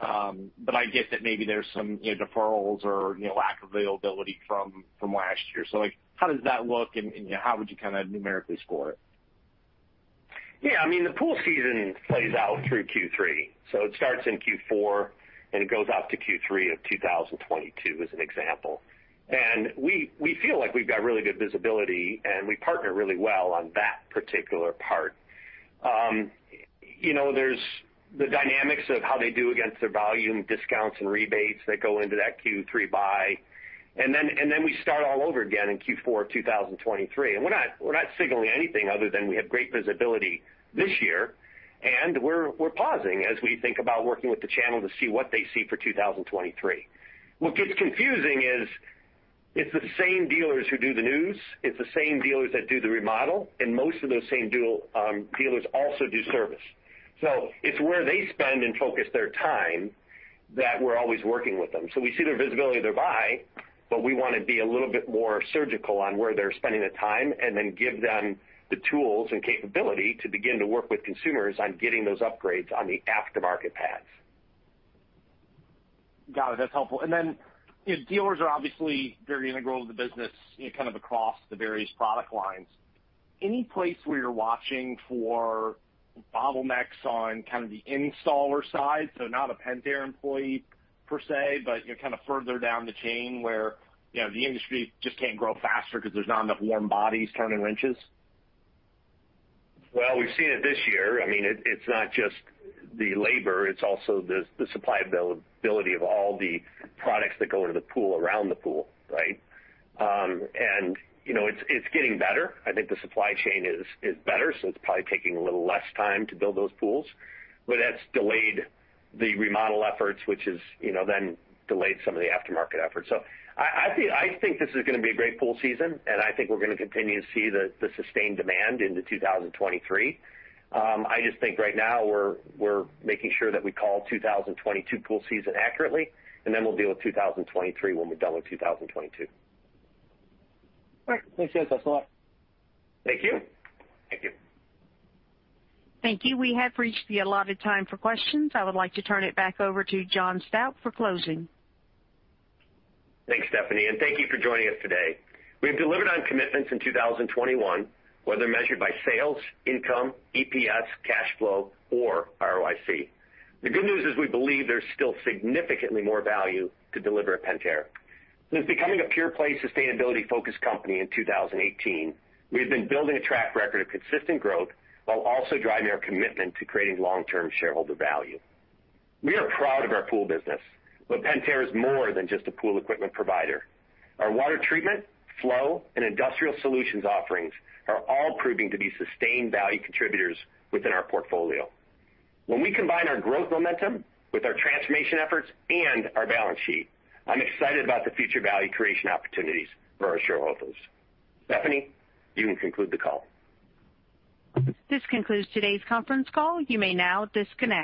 S15: But I get that maybe there's some deferrals or lack of availability from last year. So, like, how does that look and how would you kinda numerically score it?
S3: Yeah, I mean, the pool season plays out through Q3. It starts in Q4 and it goes out to Q3 of 2022 as an example. We feel like we've got really good visibility, and we partner really well on that particular part. You know, there's the dynamics of how they do against their volume discounts and rebates that go into that Q3 buy. Then we start all over again in Q4 of 2023. We're not signaling anything other than we have great visibility this year, and we're pausing as we think about working with the channel to see what they see for 2023. What gets confusing is it's the same dealers who do the news, it's the same dealers that do the remodel, and most of those same dealers also do service. It's where they spend and focus their time that we're always working with them. We see their visibility to buy, but we wanna be a little bit more surgical on where they're spending the time, and then give them the tools and capability to begin to work with consumers on getting those upgrades on the aftermarket path.
S15: Got it. That's helpful. you know, dealers are obviously very integral to the business, you know, kind of across the various product lines. Any place where you're watching for bottlenecks on kind of the installer side? not a Pentair employee per se, but, you know, kind of further down the chain where, you know, the industry just can't grow faster 'cause there's not enough warm bodies turning wrenches.
S3: Well, we've seen it this year. I mean, it's not just the labor, it's also the supply availability of all the products that go into the pool, around the pool, right? You know, it's getting better. I think the supply chain is better, so it's probably taking a little less time to build those pools. That's delayed the remodel efforts, which is, you know, then delayed some of the aftermarket efforts. I think this is gonna be a great pool season, and I think we're gonna continue to see the sustained demand into 2023. I just think right now we're making sure that we call 2022 pool season accurately, and then we'll deal with 2023 when we're done with 2022.
S15: All right. Thanks, guys. That's all.
S3: Thank you. Thank you.
S1: Thank you. We have reached the allotted time for questions. I would like to turn it back over to John Stauch for closing.
S3: Thanks, Stephanie, and thank you for joining us today. We have delivered on commitments in 2021, whether measured by sales, income, EPS, cash flow, or ROIC. The good news is we believe there's still significantly more value to deliver at Pentair. Since becoming a pure-play, sustainability-focused company in 2018, we have been building a track record of consistent growth while also driving our commitment to creating long-term shareholder value. We are proud of our pool business, but Pentair is more than just a pool equipment provider. Our water treatment, flow, and industrial solutions offerings are all proving to be sustained value contributors within our portfolio. When we combine our growth momentum with our transformation efforts and our balance sheet, I'm excited about the future value creation opportunities for our shareholders. Stephanie, you can conclude the call.
S1: This concludes today's conference call. You may now disconnect.